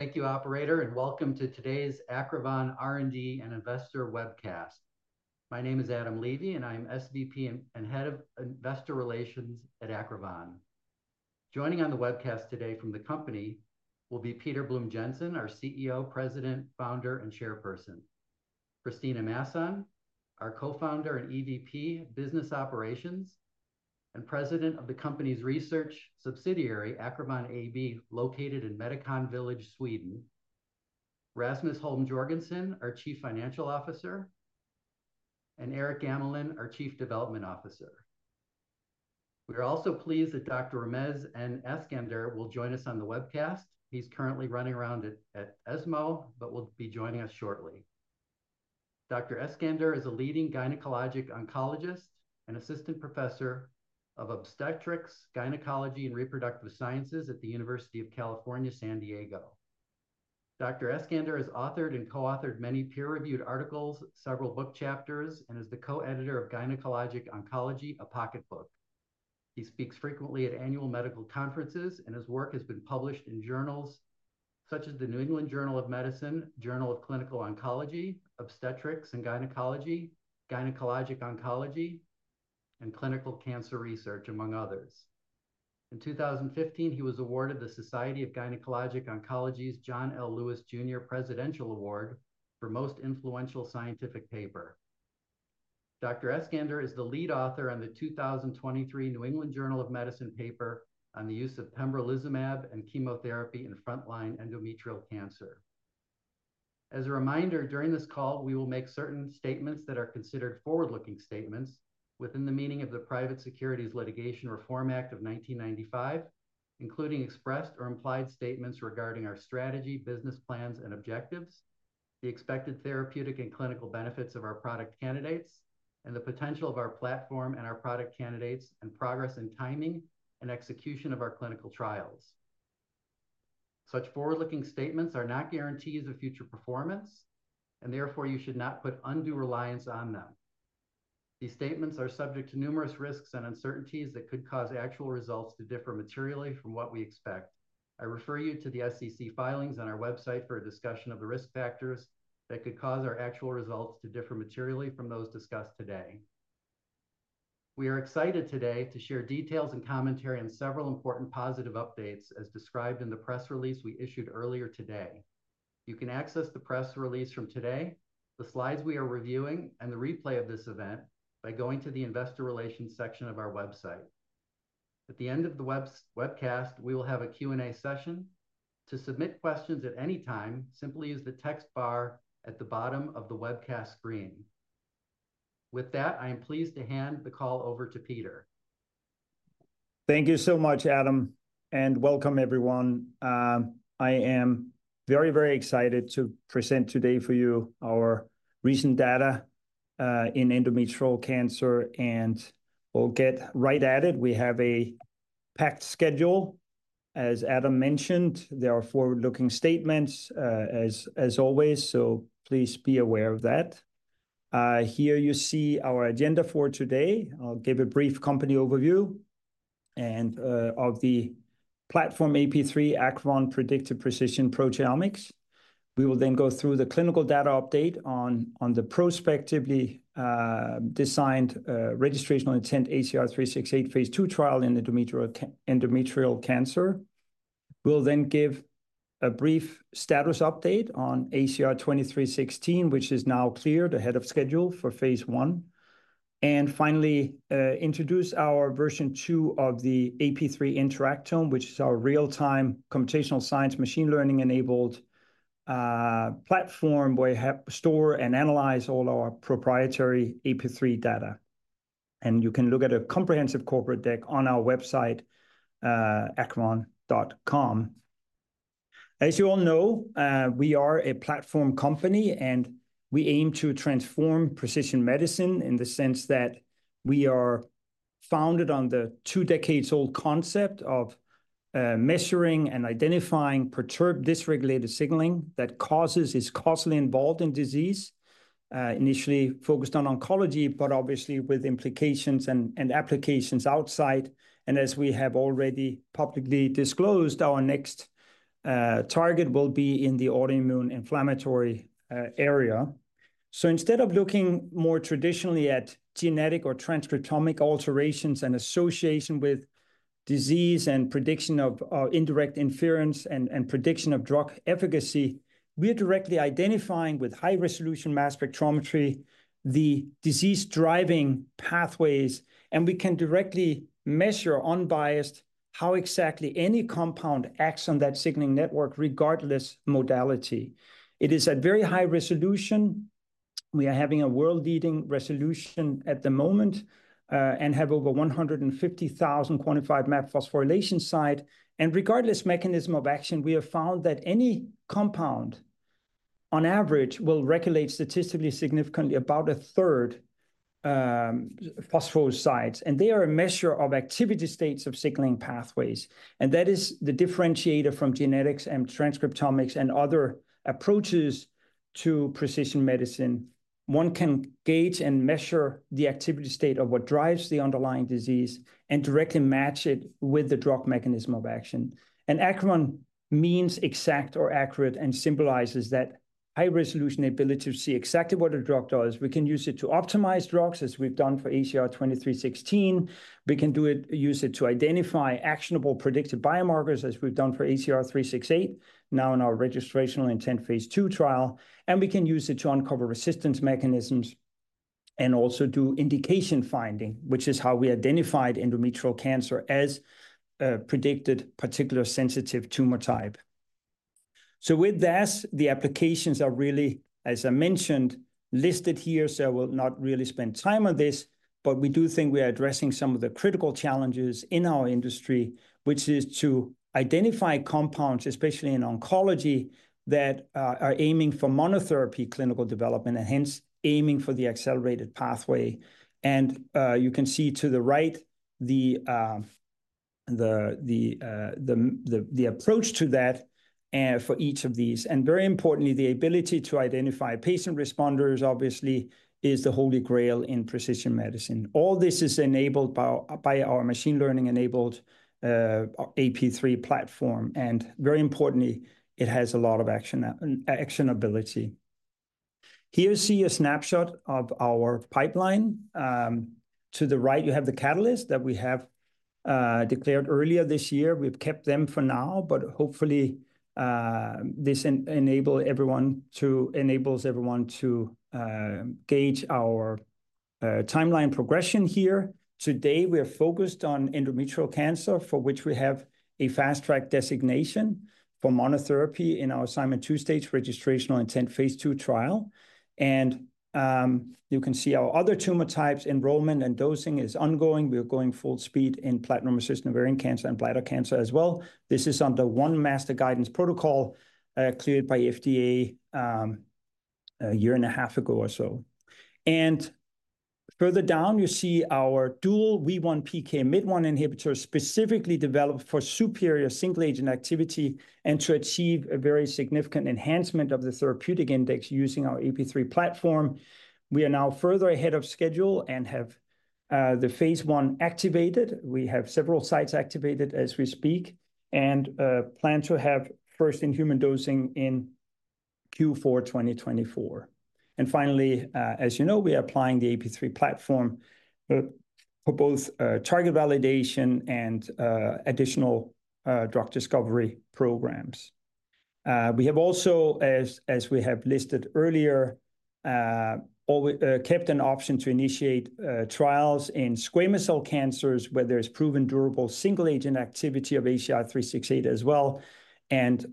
Thank you, operator, and welcome to today's Acrivon R&D and Investor Webcast. My name is Adam Levy, and I'm SVP and Head of Investor Relations at Acrivon. Joining on the webcast today from the company will be Peter Blume-Jensen, our CEO, President, Founder, and Chairperson; Kristina Masson, our Co-Founder and EVP Business Operations, and President of the company's research subsidiary, Acrivon AB, located in Medicon Village, Sweden; Rasmus Holm-Jorgensen, our Chief Financial Officer; and Eric Gamelin, our Chief Development Officer. We are also pleased that Dr. Ramez Eskander will join us on the webcast. He's currently running around at ESMO, but will be joining us shortly. Dr. Eskander is a leading gynecologic oncologist and assistant professor of Obstetrics, Gynecology, and Reproductive Sciences at the University of California, San Diego. Dr. Eskander has authored and co-authored many peer-reviewed articles, several book chapters, and is the co-editor of Gynecologic Oncology: A Pocket Book. He speaks frequently at annual medical conferences, and his work has been published in journals such as the New England Journal of Medicine, Journal of Clinical Oncology, Obstetrics and Gynecology, Gynecologic Oncology, and Clinical Cancer Research, among others. In two thousand and fifteen, he was awarded the Society of Gynecologic Oncology's John L. Lewis Jr. Presidential Award for Most Influential Scientific Paper. Dr. Eskander is the lead author on the two thousand and twenty-three New England Journal of Medicine paper on the use of pembrolizumab and chemotherapy in frontline endometrial cancer. As a reminder, during this call, we will make certain statements that are considered forward-looking statements within the meaning of the Private Securities Litigation Reform Act of nineteen ninety-five, including expressed or implied statements regarding our strategy, business plans, and objectives, the expected therapeutic and clinical benefits of our product candidates, and the potential of our platform and our product candidates, and progress in timing and execution of our clinical trials. Such forward-looking statements are not guarantees of future performance, and therefore, you should not put undue reliance on them. These statements are subject to numerous risks and uncertainties that could cause actual results to differ materially from what we expect. I refer you to the SEC filings on our website for a discussion of the risk factors that could cause our actual results to differ materially from those discussed today. We are excited today to share details and commentary on several important positive updates, as described in the press release we issued earlier today. You can access the press release from today, the slides we are reviewing, and the replay of this event by going to the Investor Relations section of our website. At the end of the webcast, we will have a Q&A session. To submit questions at any time, simply use the text bar at the bottom of the webcast screen. With that, I am pleased to hand the call over to Peter. Thank you so much, Adam, and welcome everyone. I am very, very excited to present today for you our recent data in endometrial cancer, and we'll get right at it. We have a packed schedule. As Adam mentioned, there are forward-looking statements as always, so please be aware of that. Here you see our agenda for today. I'll give a brief company overview and of the platform AP3 Acrivon Predictive Precision Proteomics. We will then go through the clinical data update on the prospectively designed registrational intent ACR368 phase II trial in endometrial cancer. We'll then give a brief status update on ACR2316, which is now cleared ahead of schedule for phase I. Finally, introduce our version two of the AP3 Interactome, which is our real-time computational science, machine learning-enabled platform, where we help store and analyze all our proprietary AP3 data. You can look at a comprehensive corporate deck on our website, acrivon.com. As you all know, we are a platform company, and we aim to transform precision medicine in the sense that we are founded on the two-decades-old concept of measuring and identifying perturbed dysregulated signaling that causes, is causally involved in disease, initially focused on oncology, but obviously with implications and applications outside. As we have already publicly disclosed, our next target will be in the autoimmune inflammatory area. So instead of looking more traditionally at genetic or transcriptomic alterations and association with disease and prediction of, or indirect inference and, and prediction of drug efficacy, we are directly identifying, with high-resolution mass spectrometry, the disease-driving pathways, and we can directly measure unbiased, how exactly any compound acts on that signaling network, regardless modality. It is at very high resolution. We are having a world-leading resolution at the moment, and have over one hundred and fifty thousand quantified mapped phosphorylation sites. And regardless mechanism of action, we have found that any compound, on average, will regulate statistically significantly about a third, phospho sites, and they are a measure of activity states of signaling pathways. And that is the differentiator from genetics and transcriptomics and other approaches to precision medicine. One can gauge and measure the activity state of what drives the underlying disease and directly match it with the drug mechanism of action. And Acrivon means exact or accurate and symbolizes that high-resolution ability to see exactly what a drug does. We can use it to optimize drugs, as we've done for ACR2316. We can use it to identify actionable predictive biomarkers, as we've done for ACR368, now in our registrational intent phase II trial. And we can use it to uncover resistance mechanisms and also do indication finding, which is how we identified endometrial cancer as a predicted particular sensitive tumor type. So with that, the applications are really, as I mentioned, listed here, so I will not really spend time on this. But we do think we are addressing some of the critical challenges in our industry, which is to identify compounds, especially in oncology, that are aiming for monotherapy clinical development, and hence aiming for the accelerated pathway. And you can see to the right the approach to that for each of these. And very importantly, the ability to identify patient responders obviously is the holy grail in precision medicine. All this is enabled by our machine learning-enabled AP3 platform, and very importantly, it has a lot of actionability. Here you see a snapshot of our pipeline. To the right, you have the catalyst that we have declared earlier this year. We've kept them for now, but hopefully this enables everyone to gauge our timeline progression here. Today, we are focused on endometrial cancer, for which we have a Fast Track designation for monotherapy in our Simon 2-stage Registrational Intent phase II trial. You can see our other tumor types, enrollment, and dosing is ongoing. We are going full speed in platinum-resistant ovarian cancer and bladder cancer as well. This is under one master guidance protocol, cleared by FDA, a year and a half ago or so. Further down, you see our dual WEE1 PKMYT1 inhibitor, specifically developed for superior single-agent activity and to achieve a very significant enhancement of the therapeutic index using our AP3 platform. We are now further ahead of schedule and have, the phase I activated. We have several sites activated as we speak, and, plan to have first in-human dosing in Q4 2024. And finally, as you know, we are applying the AP3 platform for both target validation and additional drug discovery programs. We have also, as we have listed earlier, always kept an option to initiate trials in squamous cell cancers, where there is proven durable single-agent activity of ACR368 as well. And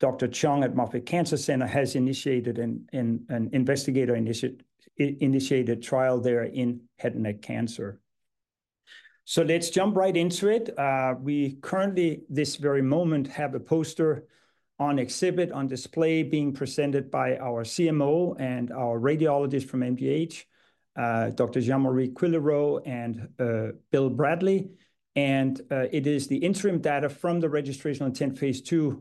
Dr. Chung at Moffitt Cancer Center has initiated an investigator-initiated trial there in head and neck cancer. So let's jump right into it. We currently, this very moment, have a poster on exhibit, on display, being presented by our CMO and our radiologist from MGH, Dr. Jean-Marie Cuillerot and Bill Bradley. It is the interim data from the Registrational Intent phase II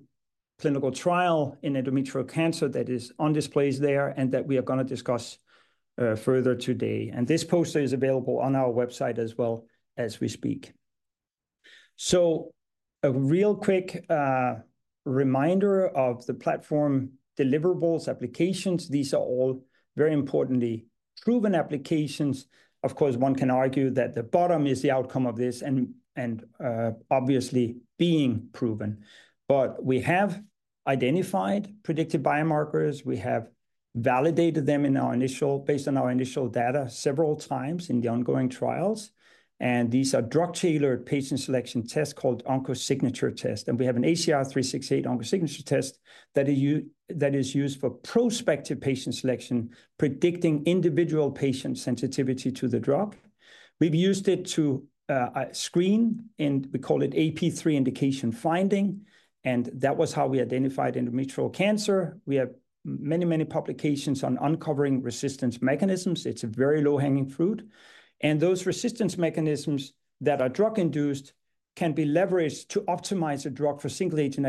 clinical trial in endometrial cancer that is on displays there, and that we are gonna discuss further today. This poster is available on our website as well as we speak. A real quick reminder of the platform deliverables, applications. These are all very importantly proven applications. Of course, one can argue that the bottom is the outcome of this and obviously being proven. We have identified predicted biomarkers. We have validated them based on our initial data several times in the ongoing trials. These are drug-tailored patient selection tests called OncoSignature test. We have an ACR368 OncoSignature test that is used for prospective patient selection, predicting individual patient sensitivity to the drug. We've used it to screen, and we call it AP3 indication finding, and that was how we identified endometrial cancer. We have many, many publications on uncovering resistance mechanisms. It's a very low-hanging fruit. And those resistance mechanisms that are drug-induced can be leveraged to optimize a drug for single-agent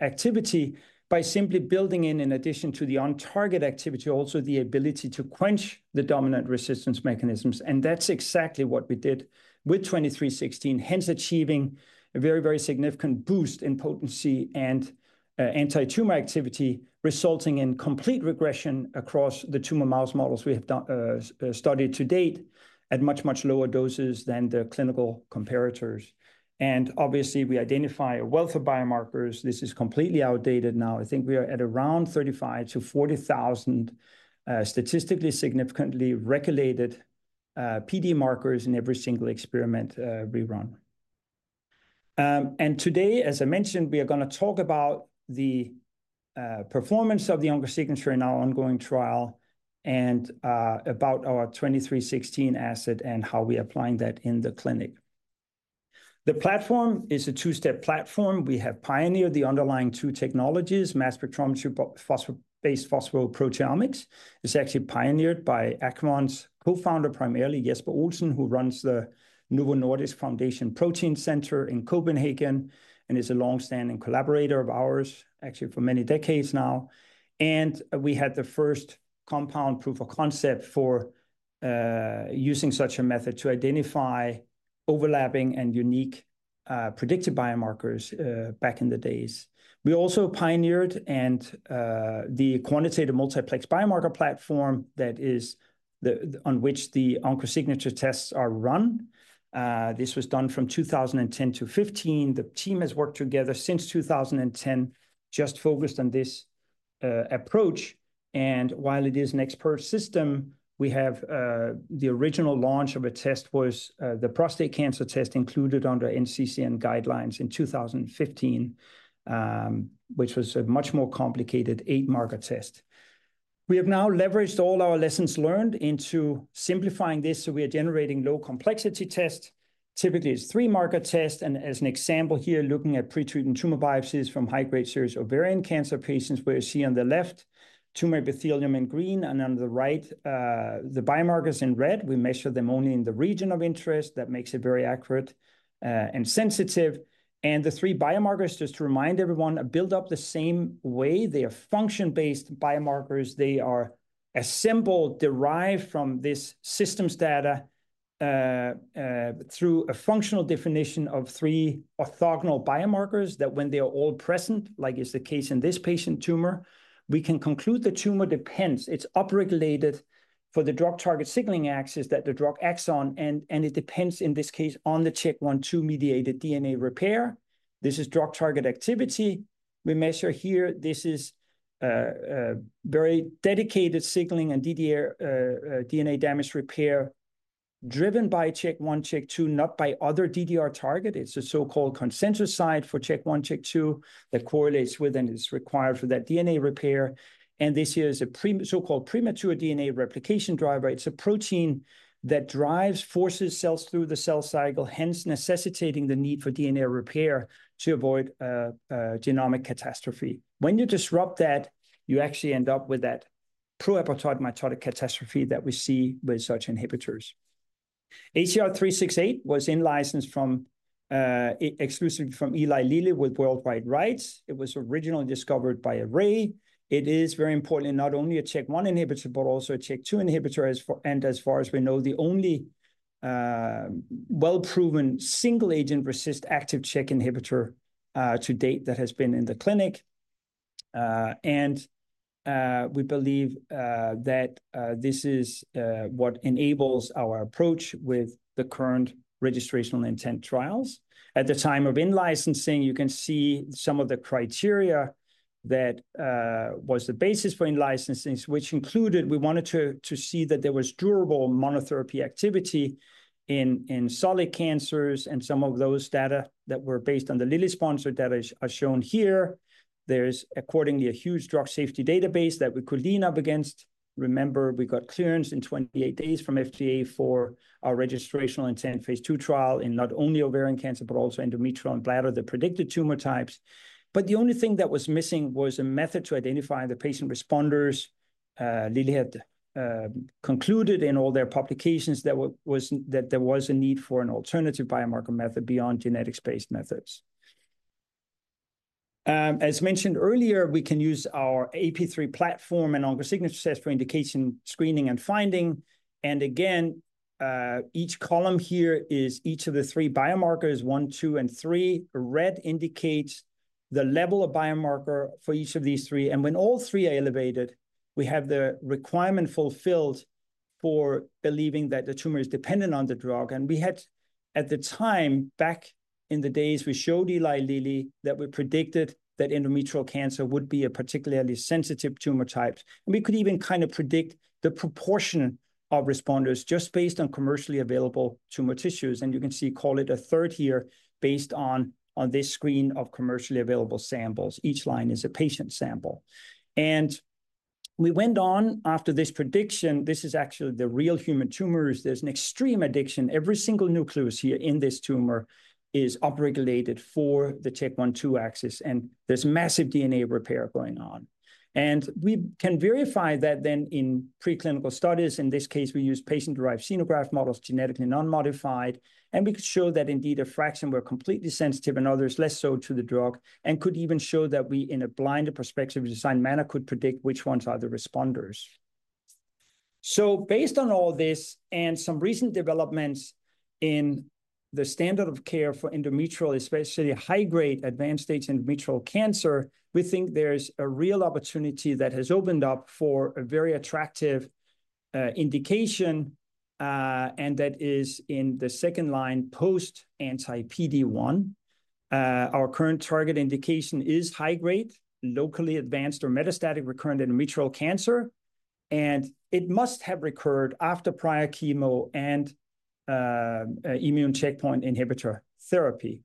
activity by simply building in, in addition to the on-target activity, also the ability to quench the dominant resistance mechanisms. And that's exactly what we did with 2316, hence achieving a very, very significant boost in potency and anti-tumor activity, resulting in complete regression across the tumor mouse models we have studied to date at much, much lower doses than the clinical comparators. And obviously, we identify a wealth of biomarkers. This is completely outdated now. I think we are at around thirty-five to forty thousand, statistically significantly regulated, PD markers in every single experiment, we run. And today, as I mentioned, we are gonna talk about the, performance of the OncoSignature in our ongoing trial and, about our 2316 asset and how we are applying that in the clinic. The platform is a two-step platform. We have pioneered the underlying two technologies. Mass spectrometry phospho-based phospho-proteomics is actually pioneered by Acrivon's co-founder, primarily Jesper Olsen, who runs the Novo Nordisk Foundation Center for Protein Research in Copenhagen and is a long-standing collaborator of ours, actually for many decades now... and we had the first compound proof of concept for, using such a method to identify overlapping and unique, predicted biomarkers, back in the days. We also pioneered the quantitative multiplex biomarker platform that is the AP3 on which the OncoSignature tests are run. This was done from 2010 to 2015. The team has worked together since 2010, just focused on this approach. And while it is an expert system, we have the original launch of a test was the prostate cancer test included under NCCN guidelines in 2015, which was a much more complicated eight-marker test. We have now leveraged all our lessons learned into simplifying this, so we are generating low-complexity tests. Typically, it's three-marker test, and as an example here, looking at pretreated tumor biopsies from high-grade serous ovarian cancer patients, where you see on the left, tumor epithelium in green, and on the right, the biomarkers in red. We measure them only in the region of interest. That makes it very accurate, and sensitive. And the three biomarkers, just to remind everyone, are built up the same way. They are function-based biomarkers. They are assembled, derived from this systems data, through a functional definition of three orthogonal biomarkers, that when they are all present, like is the case in this patient tumor, we can conclude the tumor depends. It's upregulated for the drug target signaling axis that the drug acts on, and it depends, in this case, on the CHEK1/2-mediated DNA repair. This is drug target activity. We measure here, this is very dedicated signaling and DDR, DNA damage repair, driven by CHEK1, CHEK2, not by other DDR target. It's a so-called consensus site for CHEK1, CHEK2, that correlates with and is required for that DNA repair. And this here is a so-called premature DNA replication driver. It's a protein that drives, forces cells through the cell cycle, hence necessitating the need for DNA repair to avoid a genomic catastrophe. When you disrupt that, you actually end up with that proapoptotic mitotic catastrophe that we see with such inhibitors. ACR-368 was in-licensed exclusively from Eli Lilly with worldwide rights. It was originally discovered by Array. It is very importantly, not only a CHEK1 inhibitor, but also a CHEK2 inhibitor, as far as we know, the only well-proven single agent potently active CHEK inhibitor to date that has been in the clinic. And we believe that this is what enables our approach with the current registrational intent trials. At the time of in-licensing, you can see some of the criteria that was the basis for in-licensing, which included, we wanted to see that there was durable monotherapy activity in solid cancers, and some of those data that were based on the Lilly-sponsored data are shown here. There's accordingly a huge drug safety database that we could lean up against. Remember, we got clearance in twenty-eight days from FDA for our registrational intent phase II trial in not only ovarian cancer, but also endometrial and bladder, the predicted tumor types. But the only thing that was missing was a method to identify the patient responders. Lilly had concluded in all their publications that there was a need for an alternative biomarker method beyond genetics-based methods. As mentioned earlier, we can use our AP3 platform and OncoSignature test for indication, screening, and finding. And again, each column here is each of the three biomarkers, one, two, and three. Red indicates the level of biomarker for each of these three, and when all three are elevated, we have the requirement fulfilled for believing that the tumor is dependent on the drug. And we had, at the time, back in the days, we showed Eli Lilly that we predicted that endometrial cancer would be a particularly sensitive tumor type. And we could even kind of predict the proportion of responders just based on commercially available tumor tissues, and you can see, call it a third here, based on, on this screen of commercially available samples. Each line is a patient sample. And we went on after this prediction. This is actually the real human tumors. There's an extreme addiction. Every single nucleus here in this tumor is upregulated for the CHK1/2 axis, and there's massive DNA repair going on. And we can verify that then in preclinical studies, in this case, we use patient-derived xenograft models, genetically non-modified, and we could show that indeed, a fraction were completely sensitive and others, less so to the drug, and could even show that we, in a blind and prospective design manner, could predict which ones are the responders. So based on all this and some recent developments in the standard of care for endometrial, especially high-grade, advanced stage endometrial cancer, we think there's a real opportunity that has opened up for a very attractive indication, and that is in the second line post-anti-PD-1. Our current target indication is high-grade, locally advanced or metastatic recurrent endometrial cancer, and it must have recurred after prior chemo and immune checkpoint inhibitor therapy.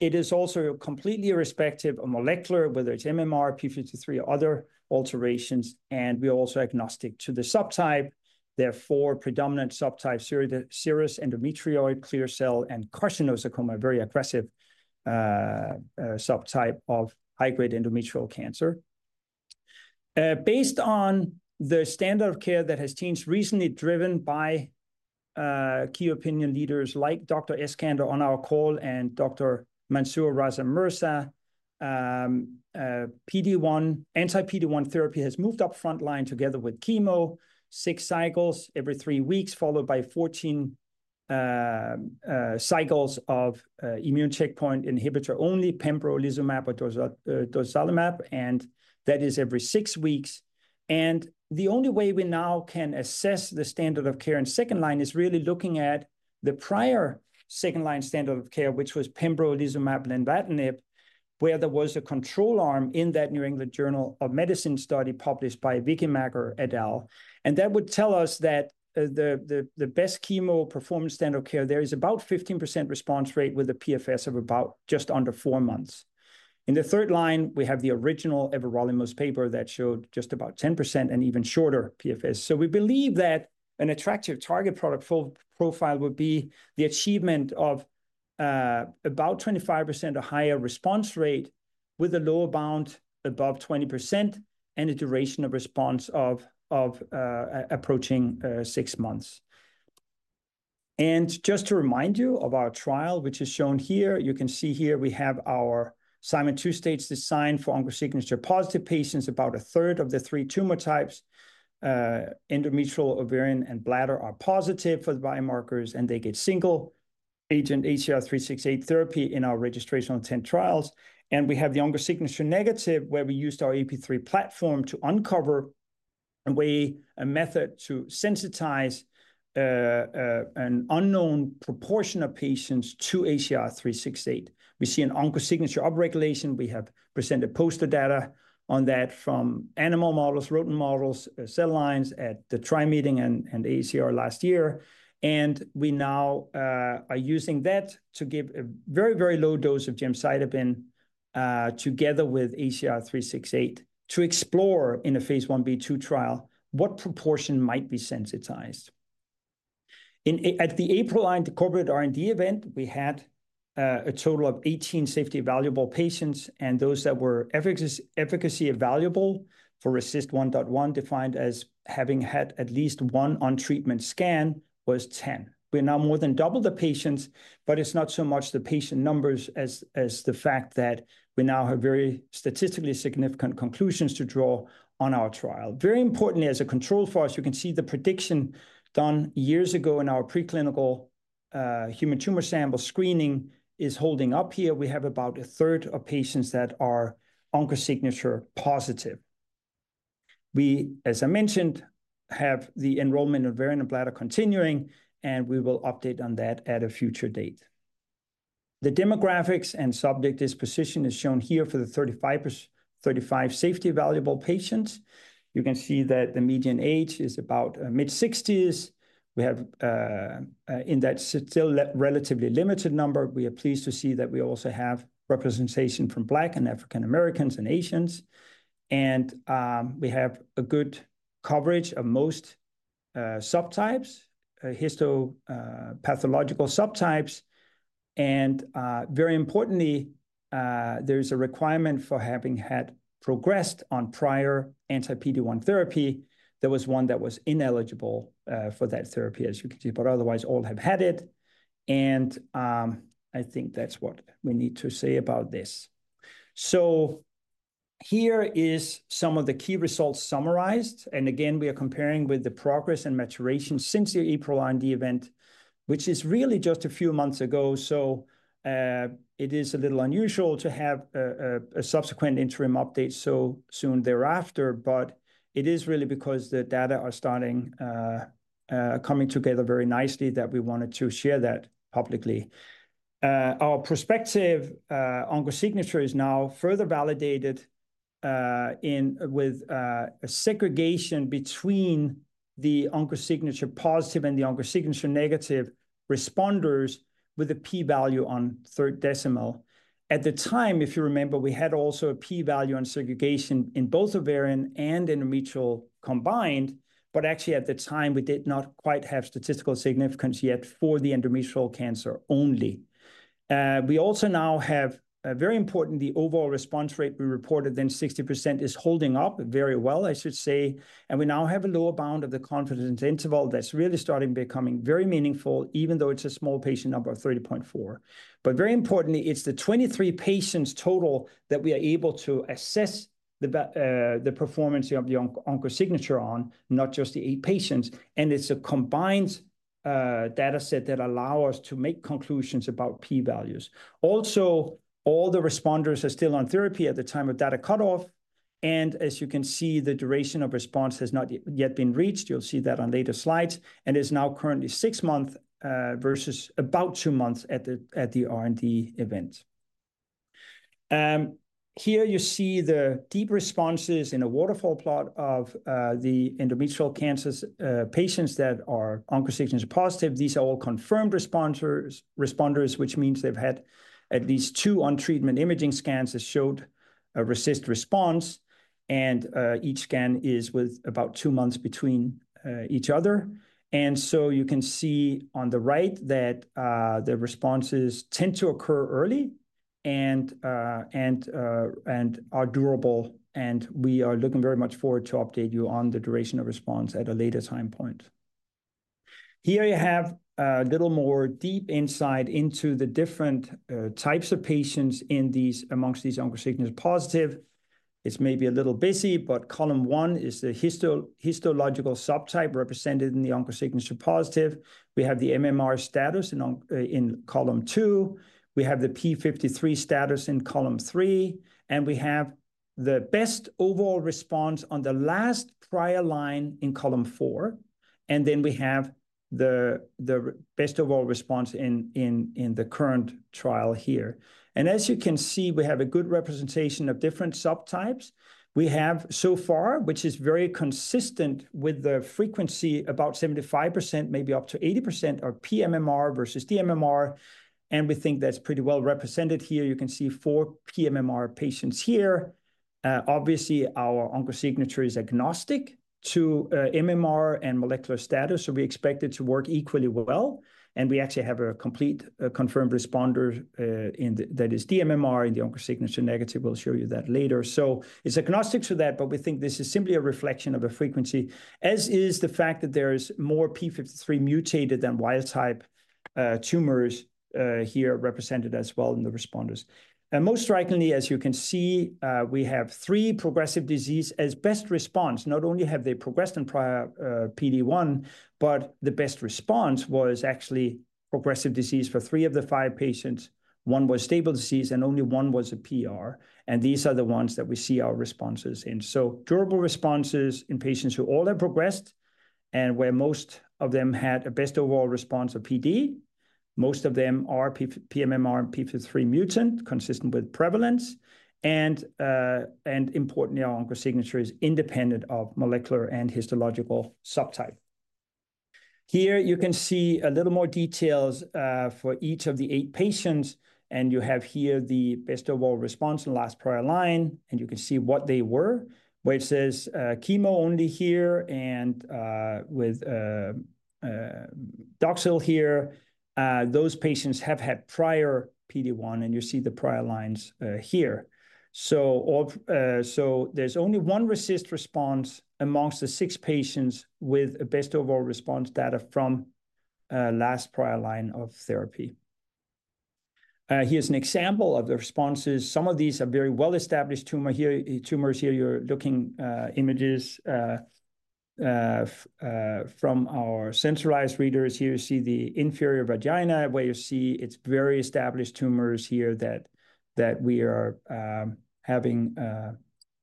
It is also completely irrespective of molecular, whether it's MMR, P53, or other alterations, and we're also agnostic to the subtype. There are four predominant subtypes: serous, endometrioid, clear cell, and carcinosarcoma, a very aggressive subtype of high-grade endometrial cancer. Based on the standard of care that has changed recently, driven by key opinion leaders like Dr. Eskander on our call and Dr. Mansoor Raza Mirza, PD-1, anti-PD-1 therapy has moved up frontline together with chemo, six cycles every three weeks, followed by 14 cycles of immune checkpoint inhibitor-only pembrolizumab or dostarlimab, and that is every six weeks. And the only way we now can assess the standard of care in second line is really looking at the prior second-line standard of care, which was pembrolizumab and lenvatinib, where there was a control arm in that New England Journal of Medicine study published by Vicky Makker et al. And that would tell us that the best chemo performance standard of care there is about 15% response rate, with a PFS of about just under four months. In the third line, we have the original everolimus paper that showed just about 10% and even shorter PFS. So we believe that an attractive target product full profile would be the achievement of about 25% or higher response rate, with a lower bound above 20% and a duration of response of approaching six months. Just to remind you of our trial, which is shown here, you can see here we have our Simon 2-stage design for OncoSignature-positive patients. About a third of the three tumor types, endometrial, ovarian, and bladder, are positive for the biomarkers, and they get single-agent ACR368 therapy in our registrational intent trials. We have the OncoSignature negative, where we used our AP3 platform to uncover a way, a method to sensitize an unknown proportion of patients to ACR368. We see an OncoSignature upregulation. We have presented poster data on that from animal models, rodent models, cell lines at the TRI meeting and ACR last year. We now are using that to give a very, very low dose of gemcitabine together with ACR368, to explore in a phase 1b/2 trial what proportion might be sensitized. At the April Corporate R&D event, we had a total of 18 safety-evaluable patients, and those that were efficacy-evaluable for RECIST 1.1, defined as having had at least one on-treatment scan, was 10. We're now more than double the patients, but it's not so much the patient numbers as, as the fact that we now have very statistically significant conclusions to draw on our trial. Very importantly, as a control for us, you can see the prediction done years ago in our preclinical human tumor sample screening is holding up here. We have about a third of patients that are OncoSignature-positive. We, as I mentioned, have the enrollment of ovarian and bladder continuing, and we will update on that at a future date. The demographics and subject disposition is shown here for the 35 safety-evaluable patients. You can see that the median age is about mid-sixties. We have in that still relatively limited number, we are pleased to see that we also have representation from Black and African Americans and Asians. And we have a good coverage of most subtypes histopathological subtypes. And very importantly there is a requirement for having had progressed on prior anti-PD-1 therapy. There was one that was ineligible for that therapy, as you can see, but otherwise, all have had it. And I think that's what we need to say about this. So here is some of the key results summarized, and again, we are comparing with the progress and maturation since the April R&D event, which is really just a few months ago. It is a little unusual to have a subsequent interim update so soon thereafter, but it is really because the data are starting to come together very nicely that we wanted to share that publicly. Our prospective OncoSignature is now further validated with a segregation between the OncoSignature-positive and the OncoSignature-negative responders with a p-value on third decimal. At the time, if you remember, we had also a p-value on segregation in both ovarian and endometrial combined, but actually, at the time, we did not quite have statistical significance yet for the endometrial cancer only. We also now have, very important, the overall response rate we reported then, 60%, is holding up very well, I should say. And we now have a lower bound of the confidence interval that's really starting becoming very meaningful, even though it's a small patient number of 30.4. But very importantly, it's the 23 patients total that we are able to assess the performance of the OncoSignature on, not just the 8 patients, and it's a combined dataset that allow us to make conclusions about p-values. Also, all the responders are still on therapy at the time of data cutoff, and as you can see, the duration of response has not yet been reached, you'll see that on later slides, and is now currently six months versus about two months at the R&D event. Here you see the deep responses in a waterfall plot of the endometrial cancers patients that are OncoSignature-positive. These are all confirmed responders, which means they've had at least two on-treatment imaging scans that showed a RECIST response, and each scan is with about two months between each other, and so you can see on the right that the responses tend to occur early... and are durable, and we are looking very much forward to update you on the duration of response at a later time point. Here you have a little more deep insight into the different types of patients in these, amongst these OncoSignature positive. It's maybe a little busy, but column one is the histological subtype represented in the OncoSignature positive. We have the MMR status in column two, we have the P53 status in column three, and we have the best overall response on the last prior line in column four, and then we have the best overall response in the current trial here. And as you can see, we have a good representation of different subtypes. We have, so far, which is very consistent with the frequency, about 75%, maybe up to 80%, are pMMR versus dMMR, and we think that's pretty well represented here. You can see four pMMR patients here. Obviously, our OncoSignature is agnostic to MMR and molecular status, so we expect it to work equally well, and we actually have a complete confirmed responder in the, that is dMMR, in the OncoSignature negative. We'll show you that later. So it's agnostic to that, but we think this is simply a reflection of a frequency, as is the fact that there's more P53 mutated than wild type tumors here represented as well in the responders. And most strikingly, as you can see, we have three progressive disease as best response. Not only have they progressed on prior PD-1, but the best response was actually progressive disease for three of the five patients. One was stable disease, and only one was a PR, and these are the ones that we see our responses in. So durable responses in patients who all have progressed and where most of them had a best overall response of PD. Most of them are pMMR and P53 mutant, consistent with prevalence, and importantly, our OncoSignature is independent of molecular and histological subtype. Here you can see a little more details for each of the eight patients, and you have here the best overall response and last prior line, and you can see what they were. Where it says, chemo only here and with Doxil here, those patients have had prior PD-1, and you see the prior lines here. So there's only one resistant response amongst the six patients with a best overall response data from last prior line of therapy. Here's an example of the responses. Some of these are very well-established tumor here, tumors here. You're looking images from our centralized readers. Here you see the inferior vagina, where you see it's very established tumors here that we are having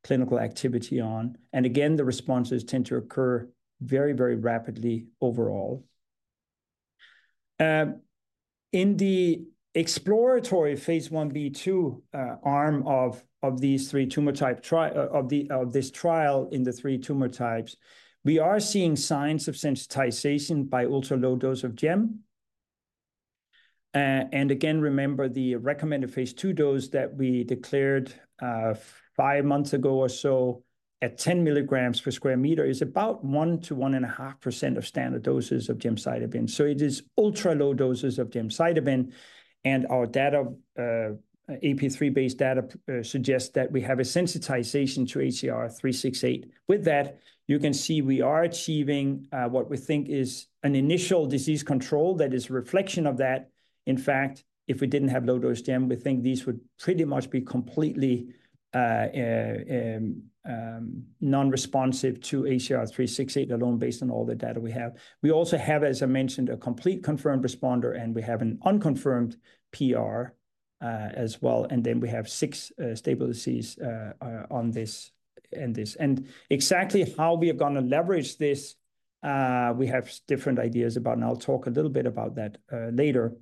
clinical activity on. And again, the responses tend to occur very, very rapidly overall. In the exploratory phase 1b/2 arm of this trial in the three tumor types, we are seeing signs of sensitization by ultra-low dose of gem. And again, remember, the recommended phase 2 dose that we declared five months ago or so, at 10 milligrams per square meter, is about 1-1.5% of standard doses of gemcitabine. So it is ultra-low doses of gemcitabine, and our data, AP3-based data, suggests that we have a sensitization to ACR368. With that, you can see we are achieving what we think is an initial disease control that is a reflection of that. In fact, if we didn't have low-dose gem, we think these would pretty much be completely non-responsive to ACR368 alone, based on all the data we have. We also have, as I mentioned, a complete confirmed responder, and we have an unconfirmed PR, as well, and then we have six stable disease, on this and this. And exactly how we are gonna leverage this, we have different ideas about, and I'll talk a little bit about that, later.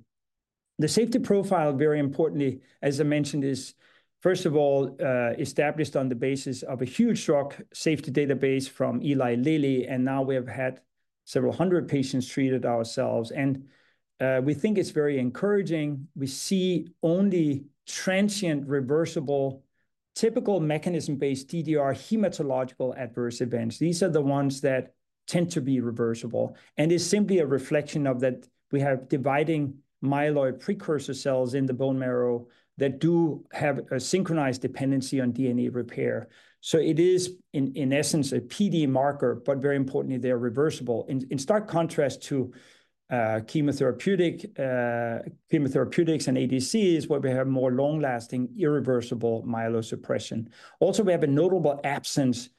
The safety profile, very importantly, as I mentioned, is, first of all, established on the basis of a huge robust safety database from Eli Lilly, and now we have had several hundred patients treated ourselves, and, we think it's very encouraging. We see only transient, reversible, typical mechanism-based DDR hematological adverse events. These are the ones that tend to be reversible and is simply a reflection of that we have dividing myeloid precursor cells in the bone marrow that do have a synchronized dependency on DNA repair. So it is, in essence, a PD marker, but very importantly, they are reversible. In stark contrast to chemotherapeutic chemotherapeutics and ADCs, where we have more long-lasting, irreversible myelosuppression. Also, we have a notable absence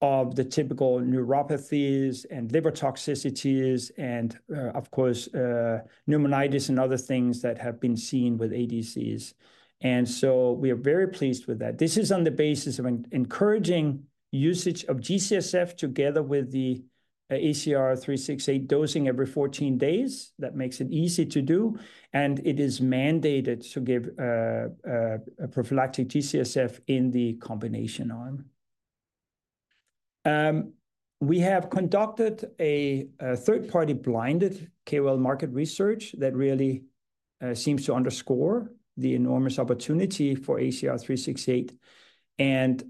of the typical neuropathies and liver toxicities and, of course, pneumonitis and other things that have been seen with ADCs. And so we are very pleased with that. This is on the basis of encouraging usage of G-CSF together with the ACR368 dosing every fourteen days. That makes it easy to do, and it is mandated to give a prophylactic G-CSF in the combination arm. We have conducted a third-party blinded KOL market research that really seems to underscore the enormous opportunity for ACR368. And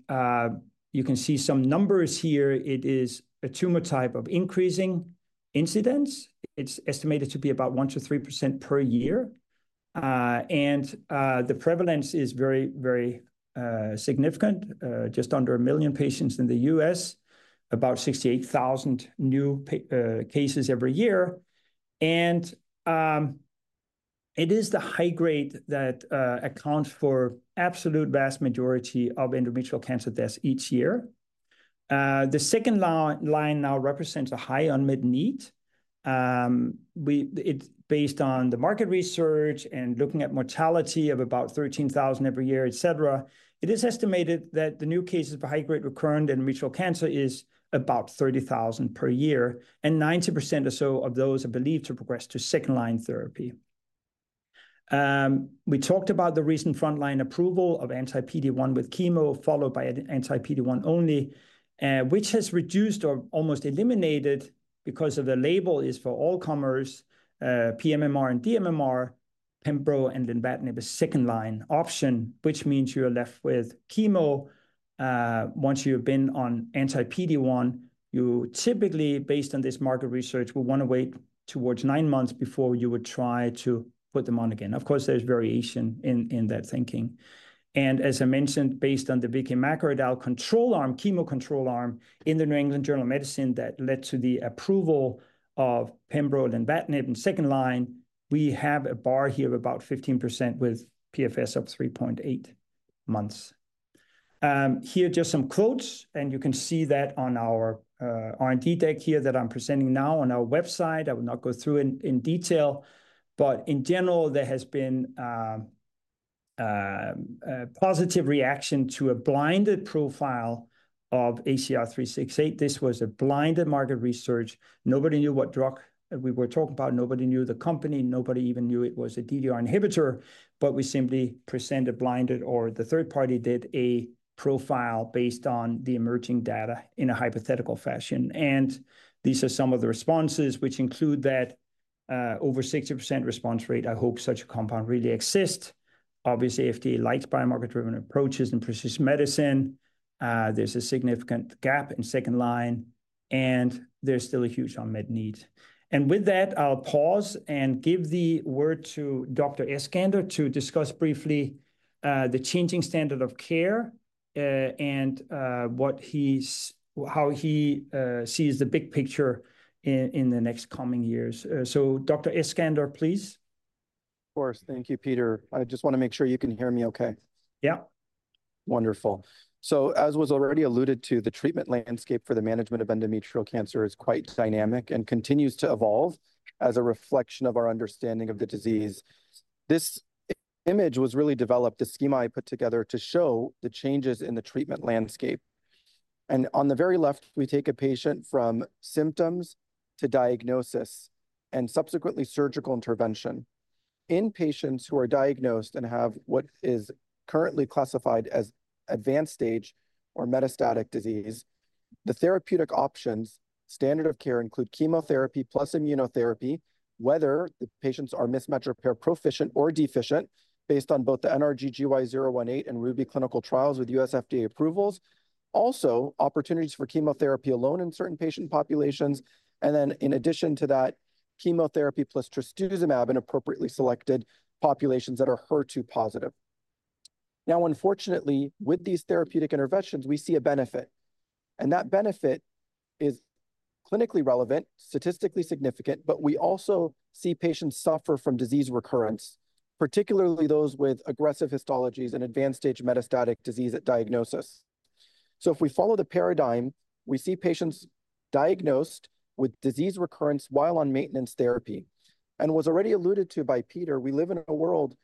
you can see some numbers here. It is a tumor type of increasing incidence, it's estimated to be about 1-3% per year. And the prevalence is very, very significant, just under a million patients in the U.S., about 68,000 new cases every year. And it is the high-grade that accounts for absolute vast majority of endometrial cancer deaths each year. The second line now represents a high unmet need. It's based on the market research and looking at mortality of about 13,000 every year, et cetera. It is estimated that the new cases for high-grade recurrent endometrial cancer is about 30,000 per year, and 90% or so of those are believed to progress to second-line therapy. We talked about the recent frontline approval of anti-PD-1 with chemo, followed by an anti-PD-1 only, which has reduced or almost eliminated because of the label is for all comers, pMMR and dMMR, Pembro and lenvatinib is second-line option, which means you're left with chemo. Once you've been on anti-PD-1, you typically, based on this market research, will wanna wait towards nine months before you would try to put them on again. Of course, there's variation in that thinking. And as I mentioned, based on the Vicky Makker trial control arm, chemo control arm, in the New England Journal of Medicine that led to the approval of pembro and lenvatinib in second line, we have a bar here of about 15% with PFS of 3.8 months. Here are just some quotes, and you can see that on our, R&D deck here that I'm presenting now on our website. I will not go through in detail, but in general, there has been, a positive reaction to a blinded profile of ACR368. This was a blinded market research. Nobody knew what drug we were talking about, nobody knew the company, nobody even knew it was a DDR inhibitor, but we simply presented blinded, or the third party did a profile based on the emerging data in a hypothetical fashion. These are some of the responses which include that, over 60% response rate, "I hope such a compound really exists." Obviously, "FDA likes biomarker-driven approaches in precision medicine." "There's a significant gap in second line," and, "There's still a huge unmet need." With that, I'll pause and give the word to Dr. Eskander to discuss briefly, the changing standard of care, and how he sees the big picture in the next coming years. Dr. Eskander, please. Of course. Thank you, Peter. I just wanna make sure you can hear me okay. Yeah. Wonderful. So as was already alluded to, the treatment landscape for the management of endometrial cancer is quite dynamic and continues to evolve as a reflection of our understanding of the disease. This image was really developed, a schema I put together to show the changes in the treatment landscape. And on the very left, we take a patient from symptoms to diagnosis, and subsequently surgical intervention. In patients who are diagnosed and have what is currently classified as advanced stage or metastatic disease, the therapeutic options, standard of care include chemotherapy plus immunotherapy, whether the patients are mismatch repair proficient or deficient, based on both the NRG-GY018 and RUBY clinical trials with U.S. FDA approvals. Also, opportunities for chemotherapy alone in certain patient populations, and then in addition to that, chemotherapy plus trastuzumab in appropriately selected populations that are HER2 positive. Now, unfortunately, with these therapeutic interventions, we see a benefit, and that benefit is clinically relevant, statistically significant, but we also see patients suffer from disease recurrence, particularly those with aggressive histologies and advanced stage metastatic disease at diagnosis. So if we follow the paradigm, we see patients diagnosed with disease recurrence while on maintenance therapy. And as was already alluded to by Peter, we live in a world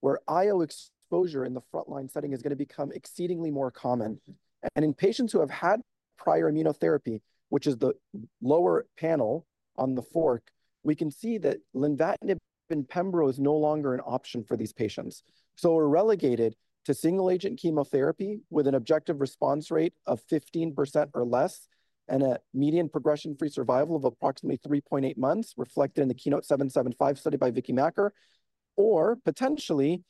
where IO exposure in the frontline setting is gonna become exceedingly more common. And in patients who have had prior immunotherapy, which is the lower panel on the figure, we can see that lenvatinib and pembro is no longer an option for these patients. We're relegated to single-agent chemotherapy with an objective response rate of 15% or less, and a median progression-free survival of approximately 3.8 months, reflected in the KEYNOTE-775 study by Vicky Makker, or potentially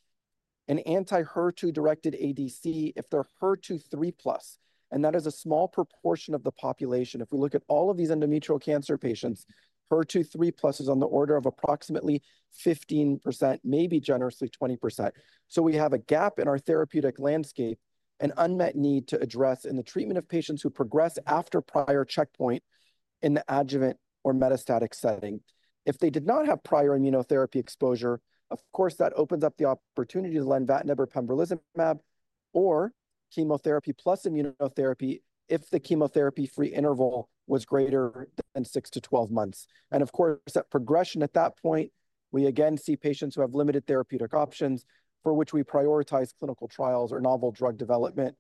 an anti-HER2-directed ADC if they're HER2 3+. And that is a small proportion of the population. If we look at all of these endometrial cancer patients, HER2 3+ is on the order of approximately 15%, maybe generously 20%. We have a gap in our therapeutic landscape, an unmet need to address in the treatment of patients who progress after prior checkpoint in the adjuvant or metastatic setting. If they did not have prior immunotherapy exposure, of course, that opens up the opportunity to lenvatinib or pembrolizumab, or chemotherapy plus immunotherapy if the chemotherapy-free interval was greater than 6-12 months. Of course, that progression at that point, we again see patients who have limited therapeutic options for which we prioritize clinical trials or novel drug development,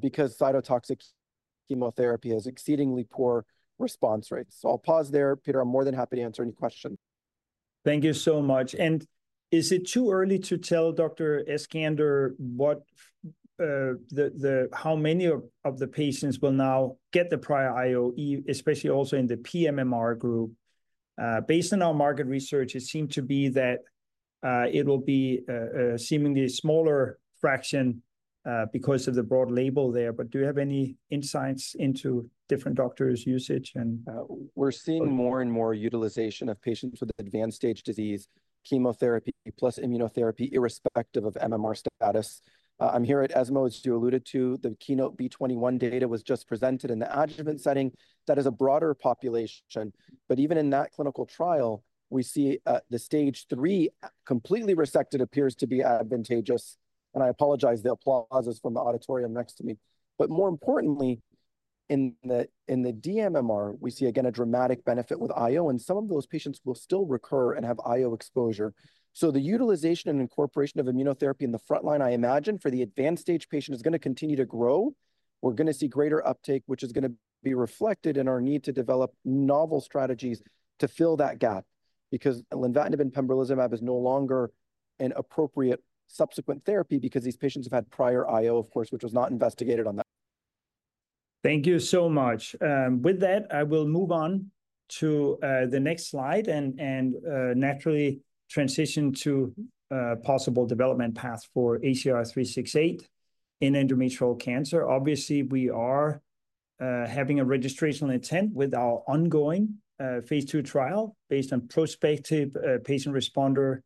because cytotoxic chemotherapy has exceedingly poor response rates. I'll pause there. Peter, I'm more than happy to answer any questions. Thank you so much. And is it too early to tell, Dr. Eskander, what the how many of the patients will now get the prior IO, especially also in the PMMR group? Based on our market research, it seemed to be that it will be a seemingly smaller fraction, because of the broad label there, but do you have any insights into different doctors' usage and We're seeing more and more utilization of patients with advanced stage disease, chemotherapy plus immunotherapy, irrespective of MMR status. I'm here at ESMO, as you alluded to. The KEYNOTE-B21 data was just presented in the adjuvant setting. That is a broader population, but even in that clinical trial, we see the Stage Three completely resected appears to be advantageous. And I apologize, the applause is from the auditorium next to me. But more importantly, in the dMMR, we see again a dramatic benefit with IO, and some of those patients will still recur and have IO exposure. So the utilization and incorporation of immunotherapy in the frontline, I imagine, for the advanced stage patient, is gonna continue to grow. We're gonna see greater uptake, which is gonna be reflected in our need to develop novel strategies to fill that gap. Because lenvatinib and pembrolizumab is no longer an appropriate subsequent therapy because these patients have had prior IO, of course, which was not investigated on that. Thank you so much. With that, I will move on to the next slide and naturally transition to a possible development path for ACR368 in endometrial cancer. Obviously, we are having a registrational intent with our ongoing phase 2 trial based on prospective patient responder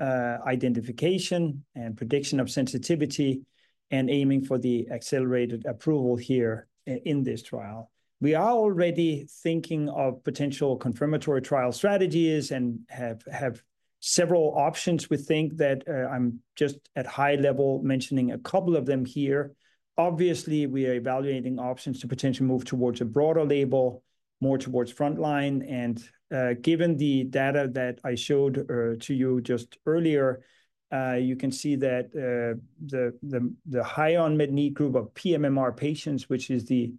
identification and prediction of sensitivity, and aiming for the accelerated approval here in this trial. We are already thinking of potential confirmatory trial strategies and have several options. We think that, I'm just at high level mentioning a couple of them here. Obviously, we are evaluating options to potentially move towards a broader label, more towards frontline. Given the data that I showed to you just earlier, you can see that the high unmet need group of pMMR patients, which is the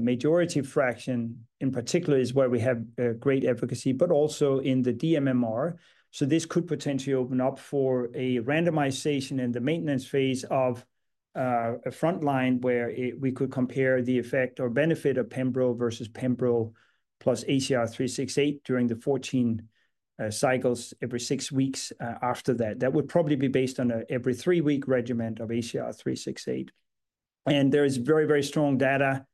majority fraction in particular, is where we have great efficacy, but also in the dMMR. So this could potentially open up for a randomization in the maintenance phase of a frontline, where we could compare the effect or benefit of pembro versus pembro plus ACR368 during the fourteen cycles every six weeks after that. That would probably be based on a every three-week regimen of ACR368. There is very, very strong data,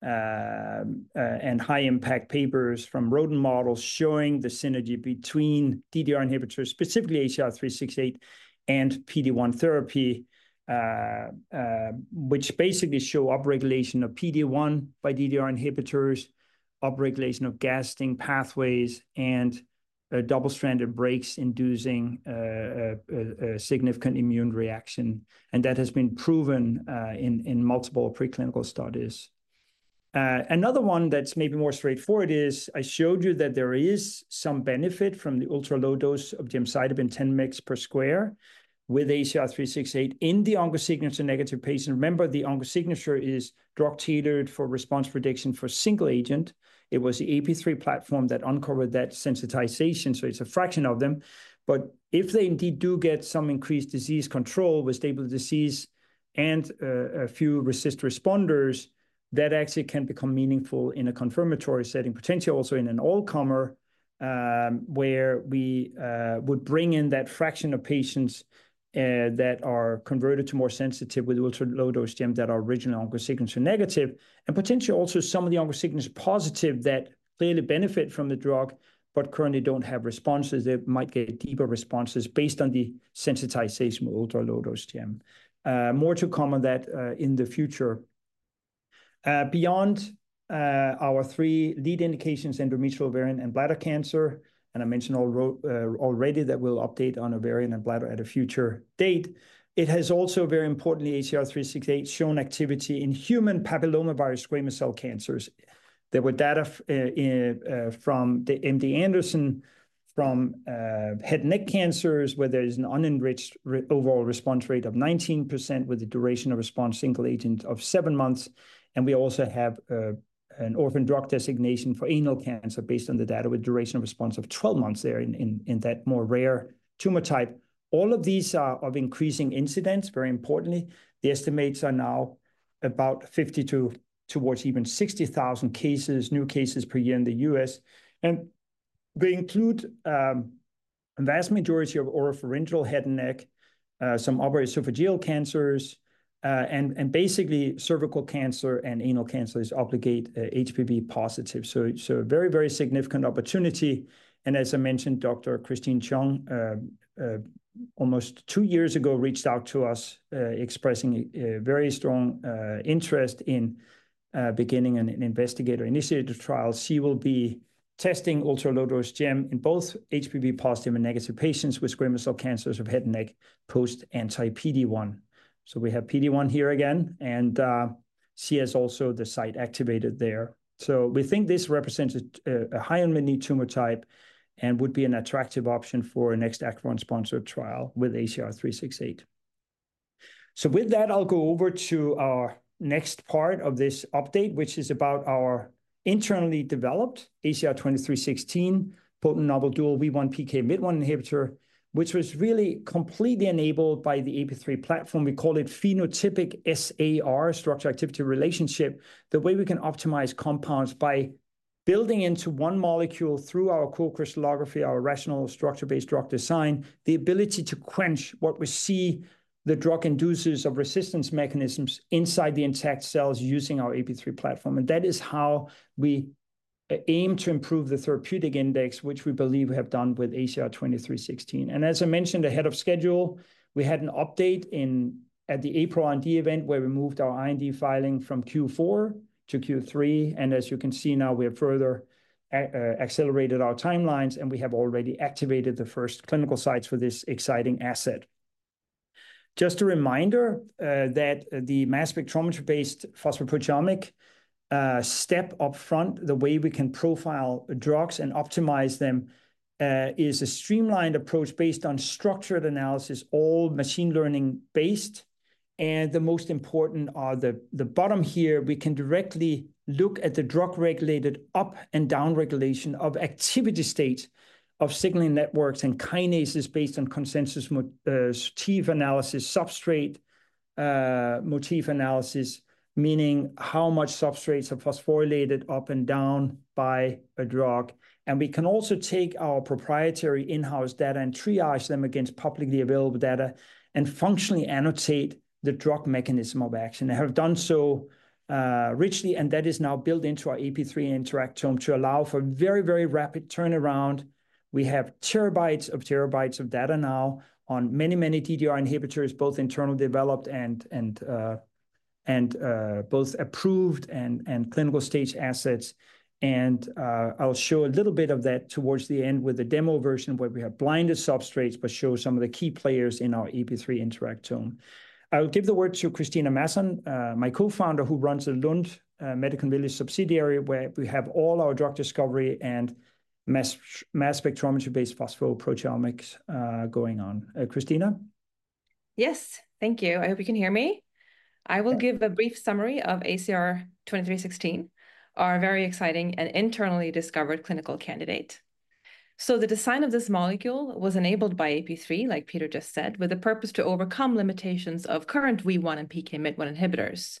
and high-impact papers from rodent models showing the synergy between DDR inhibitors, specifically ACR368 and PD-1 therapy, which basically show upregulation of PD-1 by DDR inhibitors, upregulation of cGAS-STING pathways, and double-stranded breaks inducing a significant immune reaction. That has been proven in multiple preclinical studies. Another one that's maybe more straightforward is I showed you that there is some benefit from the ultra-low dose of gemcitabine 10 mg per square with ACR368 in the OncoSignature-negative patient. Remember, the OncoSignature is drug-tailored for response prediction for single agent. It was the AP3 platform that uncovered that sensitization, so it's a fraction of them. But if they indeed do get some increased disease control with stable disease and a few rare responders, that actually can become meaningful in a confirmatory setting, potentially also in an all-comer where we would bring in that fraction of patients that are converted to more sensitive with ultra-low dose gem that are originally OncoSignature negative, and potentially also some of the OncoSignature positive that clearly benefit from the drug but currently don't have responses, they might get deeper responses based on the sensitization with ultra-low dose gem. More to come on that in the future. Beyond our three lead indications, endometrial, ovarian, and bladder cancer, and I mentioned already that we'll update on ovarian and bladder at a future date, it has also, very importantly, ACR368 shown activity in human papillomavirus squamous cell cancers. There were data from the MD Anderson from head and neck cancers, where there is an unenriched overall response rate of 19%, with a duration of response single agent of 7 months. And we also have an orphan drug designation for anal cancer based on the data, with duration of response of 12 months there in that more rare tumor type. All of these are of increasing incidence. Very importantly, the estimates are now about 50 to even 60 thousand new cases per year in the US. And they include a vast majority of oropharyngeal head and neck, some upper esophageal cancers, and basically cervical cancer and anal cancer is obligate HPV positive, so a very significant opportunity. And as I mentioned, Dr. Christine Chung, almost two years ago, reached out to us, expressing a very strong interest in beginning an investigator-initiated trial. She will be testing ultra-low dose gem in both HPV positive and negative patients with squamous cell cancers of head and neck post anti-PD-1, so we have PD-1 here again, and she has also the site activated there, so we think this represents a high unmet need tumor type and would be an attractive option for a next Acrivon-sponsored trial with ACR-368. So with that, I'll go over to our next part of this update, which is about our internally developed ACR-2316, potent novel dual WEE1/PKMYT1 inhibitor, which was really completely enabled by the AP3 platform. We call it phenotypic SAR, structure-activity relationship, the way we can optimize compounds by-... building into one molecule through our co-crystallography, our rational structure-based drug design, the ability to quench what we see the drug inducers of resistance mechanisms inside the intact cells using our AP3 platform. And that is how we aim to improve the therapeutic index, which we believe we have done with ACR2316. And as I mentioned ahead of schedule, we had an update in at the April R&D event, where we moved our IND filing from Q4 to Q3, and as you can see now, we have further accelerated our timelines, and we have already activated the first clinical sites for this exciting asset. Just a reminder, that the mass spectrometer-based phosphoproteomic step up front, the way we can profile drugs and optimize them, is a streamlined approach based on structured analysis, all machine learning-based. The most important are the bottom here. We can directly look at the drug-regulated up- and down-regulation of activity state of signaling networks and kinases based on consensus motif analysis, substrate motif analysis, meaning how much substrates are phosphorylated up and down by a drug. We can also take our proprietary in-house data and triage them against publicly available data and functionally annotate the drug mechanism of action, and have done so richly, and that is now built into our AP3 interactome to allow for very, very rapid turnaround. We have terabytes of terabytes of data now on many, many DDR inhibitors, both internally developed and both approved and clinical stage assets. I'll show a little bit of that towards the end with a demo version, where we have blinded substrates, but show some of the key players in our AP3 interactome. I will give the word to Kristina Masson, my co-founder, who runs the Lund Medicon Village subsidiary, where we have all our drug discovery and mass spectrometry-based phospho proteomics going on. Kristina? Yes. Thank you. I hope you can hear me. Yeah. I will give a brief summary of ACR2316, our very exciting and internally discovered clinical candidate. So the design of this molecule was enabled by AP3, like Peter just said, with a purpose to overcome limitations of current WEE1 and PKMYT1 inhibitors.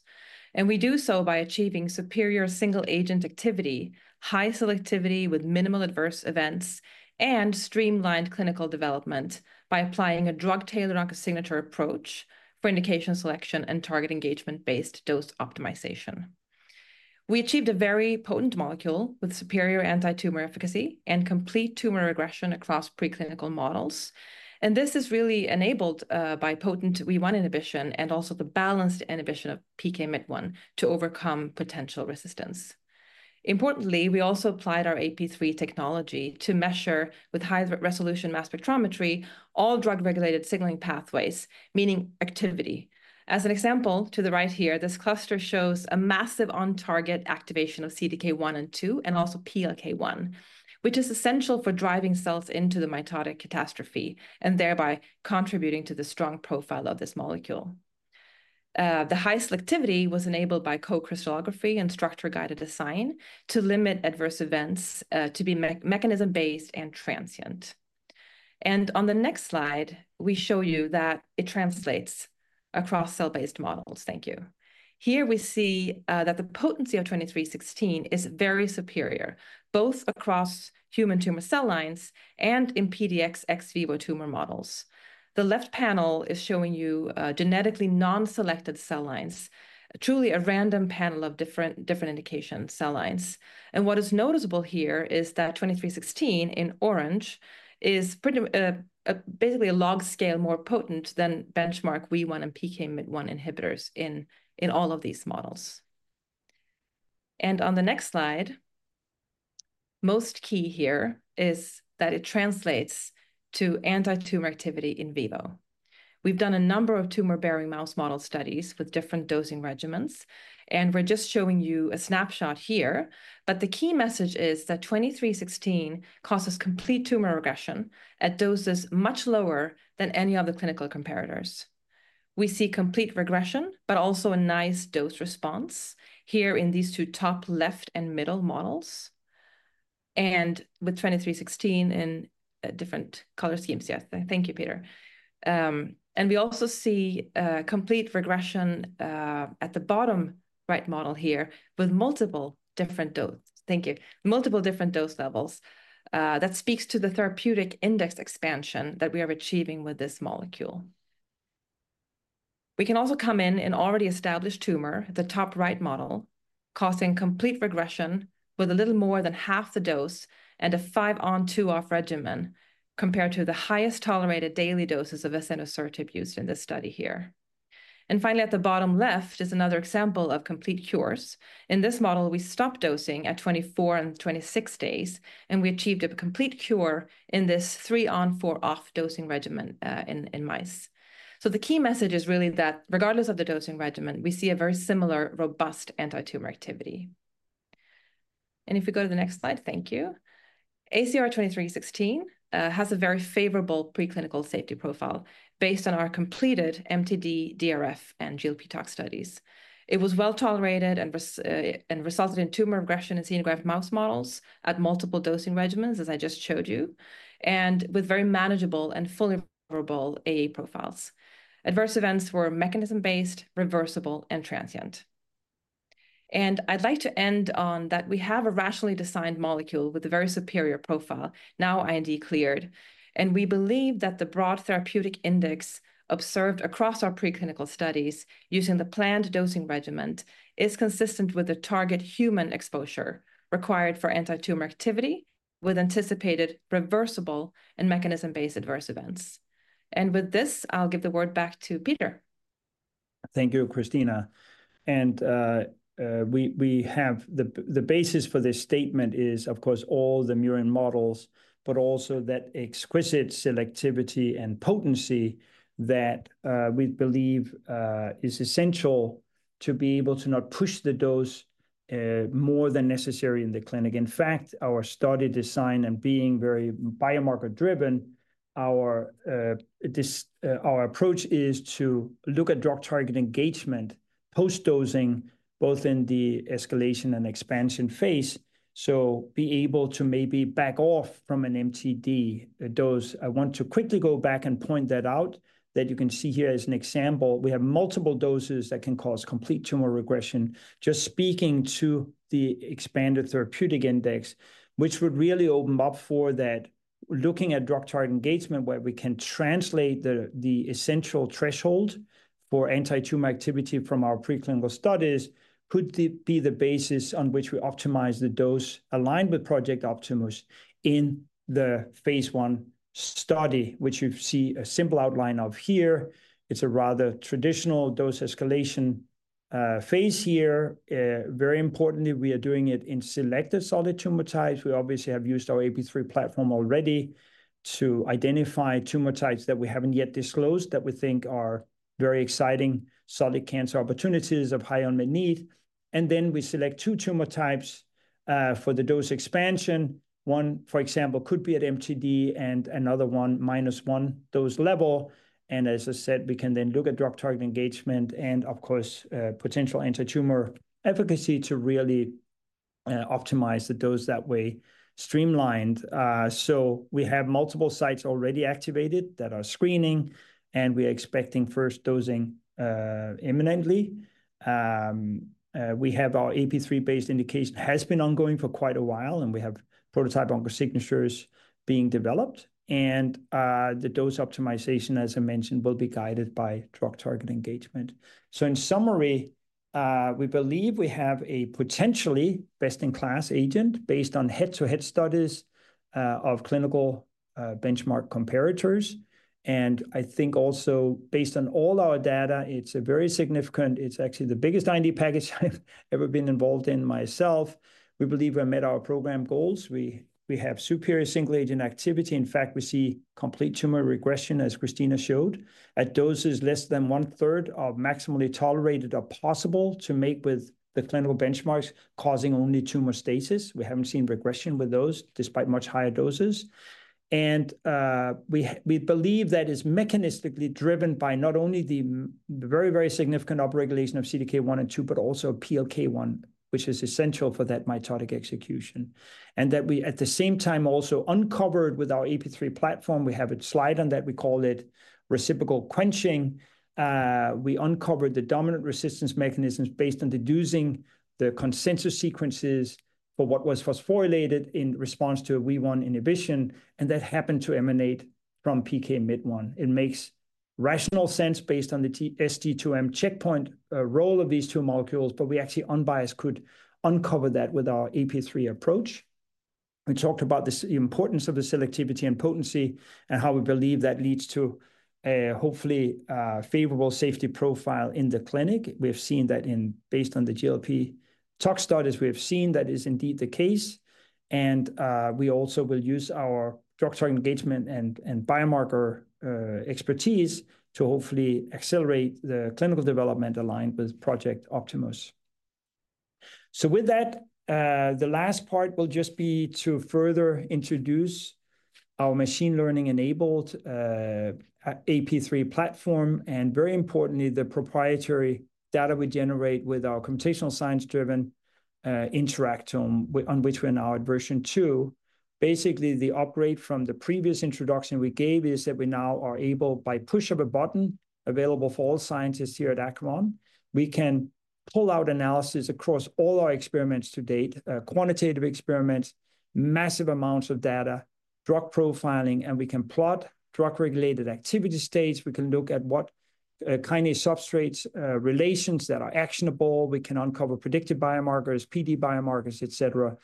And we do so by achieving superior single-agent activity, high selectivity with minimal adverse events, and streamlined clinical development by applying a drug tailor oncogenomic approach for indication selection and target engagement-based dose optimization. We achieved a very potent molecule with superior anti-tumor efficacy and complete tumor regression across preclinical models, and this is really enabled by potentWEE1 inhibition, and also the balanced inhibition of PKMYT1 to overcome potential resistance. Importantly, we also applied our AP3 technology to measure, with high-resolution mass spectrometry, all drug-regulated signaling pathways, meaning activity. As an example, to the right here, this cluster shows a massive on-target activation of CDK1 and 2, and also PLK1, which is essential for driving cells into the mitotic catastrophe, and thereby contributing to the strong profile of this molecule. The high selectivity was enabled by co-crystallography and structure-guided design to limit adverse events, to be mechanism-based and transient. On the next slide, we show you that it translates across cell-based models. Thank you. Here, we see that the potency of 2316 is very superior, both across human tumor cell lines and in PDX ex vivo tumor models. The left panel is showing you genetically non-selected cell lines, truly a random panel of different indication cell lines. What is noticeable here is that 2316, in orange, is pretty much basically a log scale more potent than benchmark WEE1 and PKMYT1 inhibitors in all of these models. On the next slide, most key here is that it translates to anti-tumor activity in vivo. We've done a number of tumor-bearing mouse model studies with different dosing regimens, and we're just showing you a snapshot here. But the key message is that 2316 causes complete tumor regression at doses much lower than any other clinical comparators. We see complete regression, but also a nice dose response here in these two top left and middle models, and with 2316 in different color schemes. Yes. Thank you, Peter. And we also see complete regression at the bottom right model here, with multiple different dose levels. Thank you. That speaks to the therapeutic index expansion that we are achieving with this molecule. We can also come in an already established tumor, the top right model, causing complete regression with a little more than half the dose and a five on, two off regimen, compared to the highest tolerated daily doses of azenosertib used in this study here. And finally, at the bottom left is another example of complete cures. In this model, we stopped dosing at 24 and 26 days, and we achieved a complete cure in this three on, four off dosing regimen, in mice. So the key message is really that regardless of the dosing regimen, we see a very similar robust anti-tumor activity. And if we go to the next slide. Thank you. ACR-2316 has a very favorable preclinical safety profile based on our completed MTD, DRF, and GLP tox studies. It was well-tolerated and resulted in tumor regression in syngeneic mouse models at multiple dosing regimens, as I just showed you, and with very manageable and fully favorable AE profiles. Adverse events were mechanism-based, reversible, and transient, and I'd like to end on that we have a rationally designed molecule with a very superior profile, now IND-cleared. We believe that the broad therapeutic index observed across our preclinical studies using the planned dosing regimen is consistent with the target human exposure required for anti-tumor activity, with anticipated reversible and mechanism-based adverse events. With this, I'll give the word back to Peter. Thank you, Kristina. We have the basis for this statement is, of course, all the murine models, but also that exquisite selectivity and potency that we believe is essential to be able to not push the dose more than necessary in the clinic. In fact, our study design and being very biomarker-driven, our approach is to look at drug target engagement post-dosing, both in the escalation and expansion phase, so be able to maybe back off from an MTD dose. I want to quickly go back and point that out, that you can see here as an example, we have multiple doses that can cause complete tumor regression, just speaking to the expanded therapeutic index, which would really open up for that. Looking at drug target engagement, where we can translate the essential threshold for anti-tumor activity from our preclinical studies, could be the basis on which we optimize the dose aligned with Project Optimus in the phase I study, which you see a simple outline of here. It's a rather traditional dose escalation phase here. Very importantly, we are doing it in selective solid tumor types. We obviously have used our AP3 platform already to identify tumor types that we haven't yet disclosed that we think are very exciting solid cancer opportunities of high unmet need. And then we select two tumor types for the dose expansion. One, for example, could be at MTD, and another one minus one dose level. As I said, we can then look at drug target engagement and, of course, potential anti-tumor efficacy to really optimize the dose that way, streamlined. We have multiple sites already activated that are screening, and we are expecting first dosing imminently. We have our AP3-based indication has been ongoing for quite a while, and we have prototype OncoSignatures being developed. The dose optimization, as I mentioned, will be guided by drug target engagement. In summary, we believe we have a potentially best-in-class agent based on head-to-head studies of clinical benchmark comparators. I think also based on all our data, it's a very significant. It's actually the biggest IND package I've ever been involved in myself. We believe we met our program goals. We have superior single-agent activity. In fact, we see complete tumor regression, as Kristina showed, at doses less than one-third of maximally tolerated or possible to make with the clinical benchmarks, causing only tumor stasis. We haven't seen regression with those, despite much higher doses. We believe that is mechanistically driven by not only the very, very significant upregulation of CDK1 and CDK2, but also PLK1, which is essential for that mitotic execution. We, at the same time, also uncovered with our AP3 platform, we have a slide on that, we call it reciprocal quenching. We uncovered the dominant resistance mechanisms based on deducing the consensus sequences for what was phosphorylated in response to a WEE1 inhibition, and that happened to emanate from PK Mid-1. It makes rational sense based on the G2/M checkpoint, role of these two molecules, but we actually unbiased could uncover that with our AP3 approach. We talked about the importance of the selectivity and potency, and how we believe that leads to a hopefully favorable safety profile in the clinic. We have seen that in based on the GLP tox studies, we have seen that is indeed the case. And we also will use our drug target engagement and biomarker expertise to hopefully accelerate the clinical development aligned with Project Optimus. So with that, the last part will just be to further introduce our machine learning-enabled AP3 platform, and very importantly, the proprietary data we generate with our computational science-driven interactome, on which we're now at version two. Basically, the upgrade from the previous introduction we gave is that we now are able, by push of a button, available for all scientists here at Acrivon, we can pull out analysis across all our experiments to date, quantitative experiments, massive amounts of data, drug profiling, and we can plot drug-regulated activity states. We can look at what kinase substrates relations that are actionable. We can uncover predicted biomarkers, PD biomarkers, et cetera.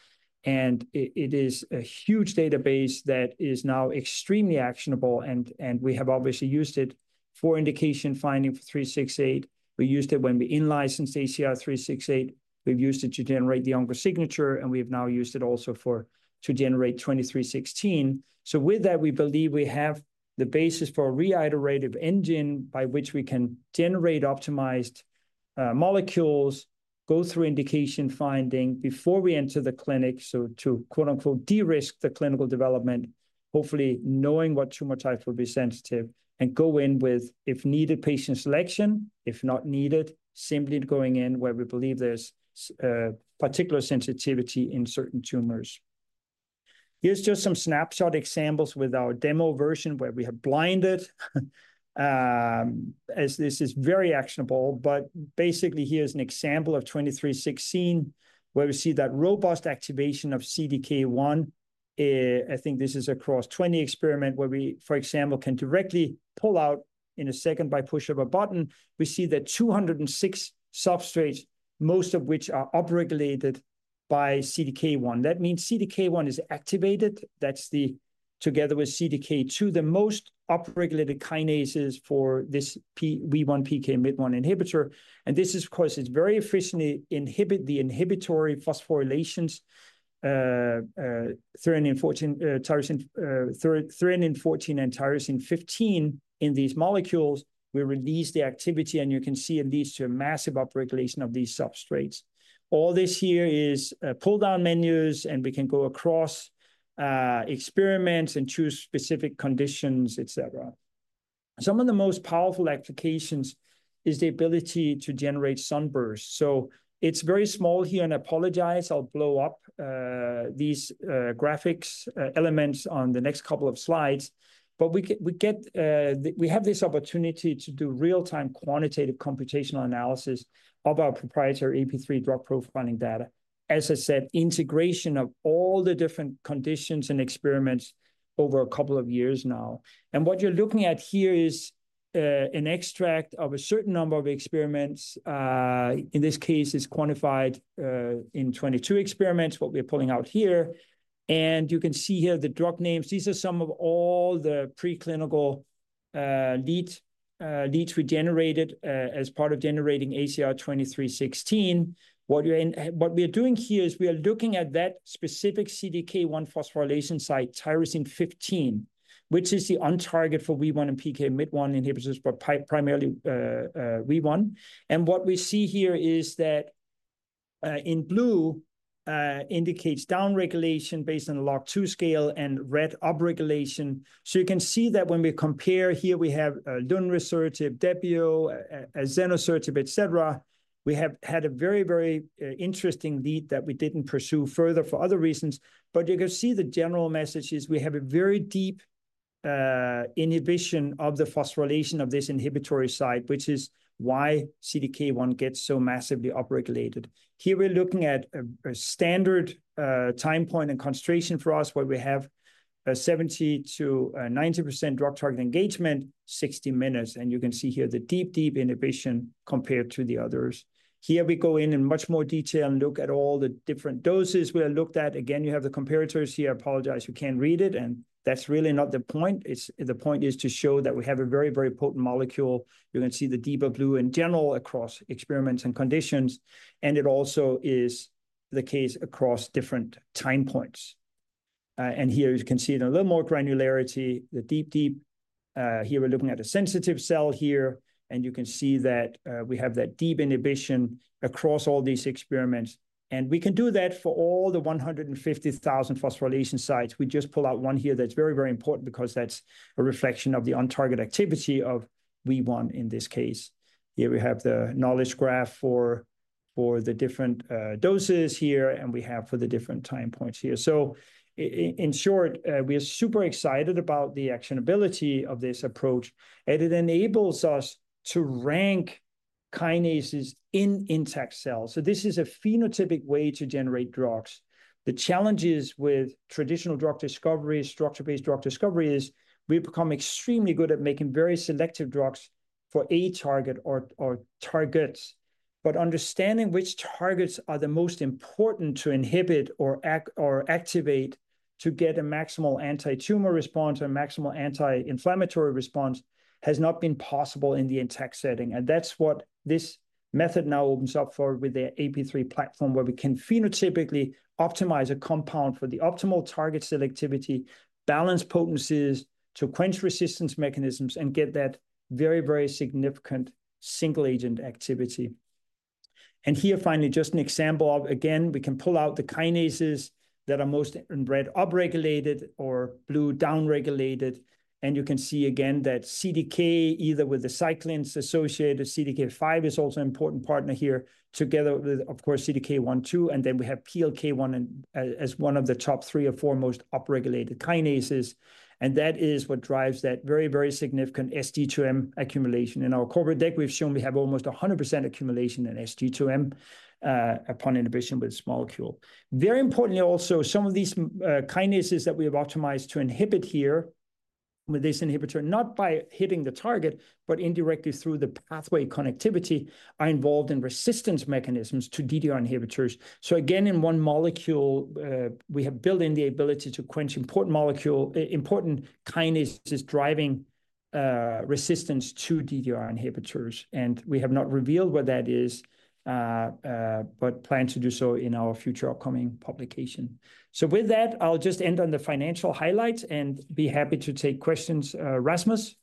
And it is a huge database that is now extremely actionable, and we have obviously used it for indication finding for 368. We used it when we in-licensed ACR368. We've used it to generate the onco signature, and we've now used it also for to generate 2316. So with that, we believe we have the basis for a reiterative engine by which we can generate optimized, molecules, go through indication finding before we enter the clinic, so to, quote-unquote, "de-risk the clinical development," hopefully knowing what tumor types will be sensitive, and go in with, if needed, patient selection. If not needed, simply going in where we believe there's particular sensitivity in certain tumors. Here's just some snapshot examples with our demo version, where we have blinded, as this is very actionable. But basically, here's an example of 2316, where we see that robust activation of CDK1. I think this is across 20 experiment, where we, for example, can directly pull out in a second by push of a button. We see that 206 substrates, most of which are upregulated by CDK1. That means CDK1 is activated. That's the together with CDK2, the most upregulated kinases for this WEE1/PKMYT1 inhibitor. And this, of course, it very efficiently inhibit the inhibitory phosphorylations, threonine 14 and tyrosine 15 in these molecules. We release the activity, and you can see it leads to a massive upregulation of these substrates. All this here is pull-down menus, and we can go across experiments and choose specific conditions, et cetera. Some of the most powerful applications is the ability to generate sunburst. So it's very small here, and I apologize. I'll blow up these graphics elements on the next couple of slides. But we have this opportunity to do real-time quantitative computational analysis of our proprietary AP3 drug profiling data. As I said, integration of all the different conditions and experiments over a couple of years now. And what you're looking at here is an extract of a certain number of experiments. In this case, it's quantified in 22 experiments, what we're pulling out here. And you can see here the drug names. These are some of all the preclinical leads we generated as part of generating ACR2316. What we are doing here is we are looking at that specific CDK1 phosphorylation site, tyrosine 15, which is the on-target for WEE1 and PKMYT1 inhibitors, but primarily WEE1. And what we see here is that in blue indicates downregulation based on the log2 scale, and red, upregulation. So you can see that when we compare here, we have lunresertib, Debio, azenosertib, et cetera. We have had a very, very interesting lead that we didn't pursue further for other reasons. But you can see the general message is we have a very deep inhibition of the phosphorylation of this inhibitory site, which is why CDK1 gets so massively upregulated. Here, we're looking at a standard time point and concentration for us, where we have a 70-90% drug target engagement, 60 minutes. And you can see here the deep, deep inhibition compared to the others. Here, we go in much more detail and look at all the different doses we have looked at. Again, you have the comparators here. I apologize you can't read it, and that's really not the point. It's... The point is to show that we have a very, very potent molecule. You can see the deeper blue in general across experiments and conditions, and it also is the case across different time points. And here you can see in a little more granularity, the deep. Here, we're looking at a sensitive cell here, and you can see that, we have that deep inhibition across all these experiments. And we can do that for all the 150,000 phosphorylation sites. We just pull out one here that's very, very important because that's a reflection of the on-target activity of WEE1 in this case. Here we have the knowledge graph for the different doses here, and we have for the different time points here. So in short, we are super excited about the actionability of this approach, and it enables us to rank kinases in intact cells. So this is a phenotypic way to generate drugs. The challenges with traditional drug discovery, structure-based drug discovery, is we've become extremely good at making very selective drugs for a target or targets, but understanding which targets are the most important to inhibit or activate to get a maximal anti-tumor response or a maximal anti-inflammatory response has not been possible in the intact setting, and that's what this method now opens up for with the AP3 platform, where we can phenotypically optimize a compound for the optimal target selectivity, balance potencies to quench resistance mechanisms, and get that very, very significant single-agent activity, and here, finally, just an example of, again, we can pull out the kinases that are most, in red, upregulated or blue, downregulated, and you can see again that CDK, either with the cyclins associated, CDK5 is also an important partner here, together with, of course, CDK1/2, and then we have PLK1 and... As one of the top three or four most upregulated kinases. And that is what drives that very, very significant SD2M accumulation. In our corporate deck, we've shown we have almost 100% accumulation in SD2M upon inhibition with this molecule. Very importantly, also, some of these kinases that we have optimized to inhibit here with this inhibitor, not by hitting the target, but indirectly through the pathway connectivity, are involved in resistance mechanisms to DDR inhibitors. So again, in one molecule, we have built in the ability to quench important kinases driving resistance to DDR inhibitors. And we have not revealed what that is, but plan to do so in our future upcoming publication. So with that, I'll just end on the financial highlights and be happy to take questions. Rasmus?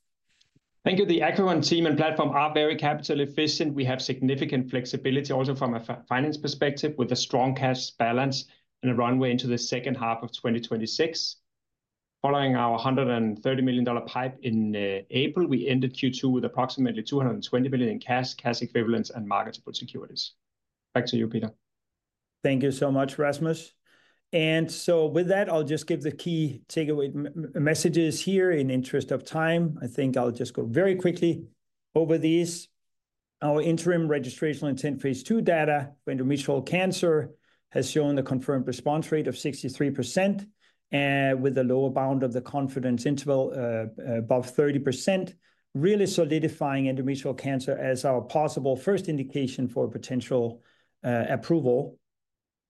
Thank you. The Acrivon team and platform are very capital efficient. We have significant flexibility also from a finance perspective, with a strong cash balance and a runway into the second half of 2026. Following our $130 million pipe in April, we ended Q2 with approximately $220 million in cash, cash equivalents, and marketable securities. Back to you, Peter. Thank you so much, Rasmus. And so with that, I'll just give the key takeaway messages here in interest of time. I think I'll just go very quickly over these. Our interim registrational intent phase 2 data for endometrial cancer has shown a confirmed response rate of 63%, with a lower bound of the confidence interval above 30%, really solidifying endometrial cancer as our possible first indication for potential approval.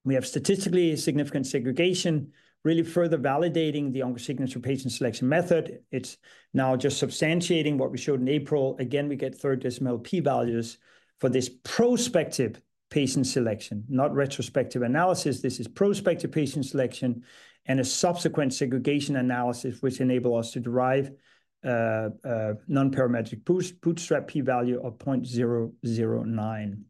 We have statistically significant segregation, really further validating the OncoSignature patient selection method. It's now just substantiating what we showed in April. Again, we get third decimal p-values for this prospective patient selection, not retrospective analysis. This is prospective patient selection and a subsequent segregation analysis, which enable us to derive a nonparametric bootstrap p-value of 0.009.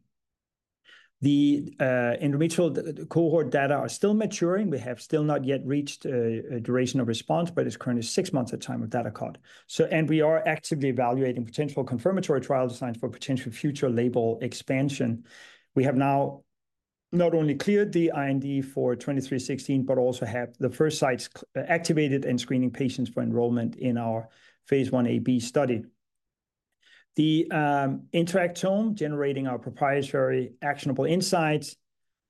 The endometrial cohort data are still maturing. We have still not yet reached a duration of response, but it's currently six months at time of data cut. We are actively evaluating potential confirmatory trial designs for potential future label expansion. We have now not only cleared the IND for 2316, but also have the first sites activated and screening patients for enrollment in our phase 1a/b study. The interactome, generating our proprietary actionable insights,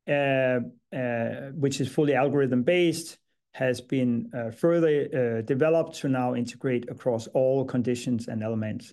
which is fully algorithm-based, has been further developed to now integrate across all conditions and elements.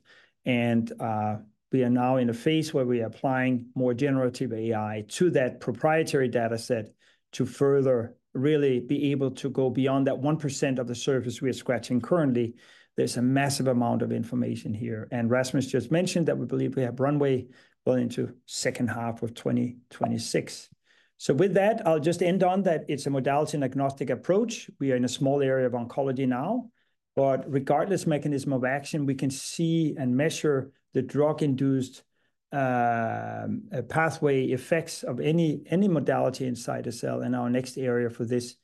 We are now in a phase where we are applying more generative AI to that proprietary data set to further really be able to go beyond that 1% of the surface we are scratching currently. There's a massive amount of information here, and Rasmus just mentioned that we believe we have runway well into second half of 2026. So with that, I'll just end on that it's a modality-agnostic approach. We are in a small area of oncology now, but regardless mechanism of action, we can see and measure the drug-induced pathway effects of any modality inside a cell. And our next area for this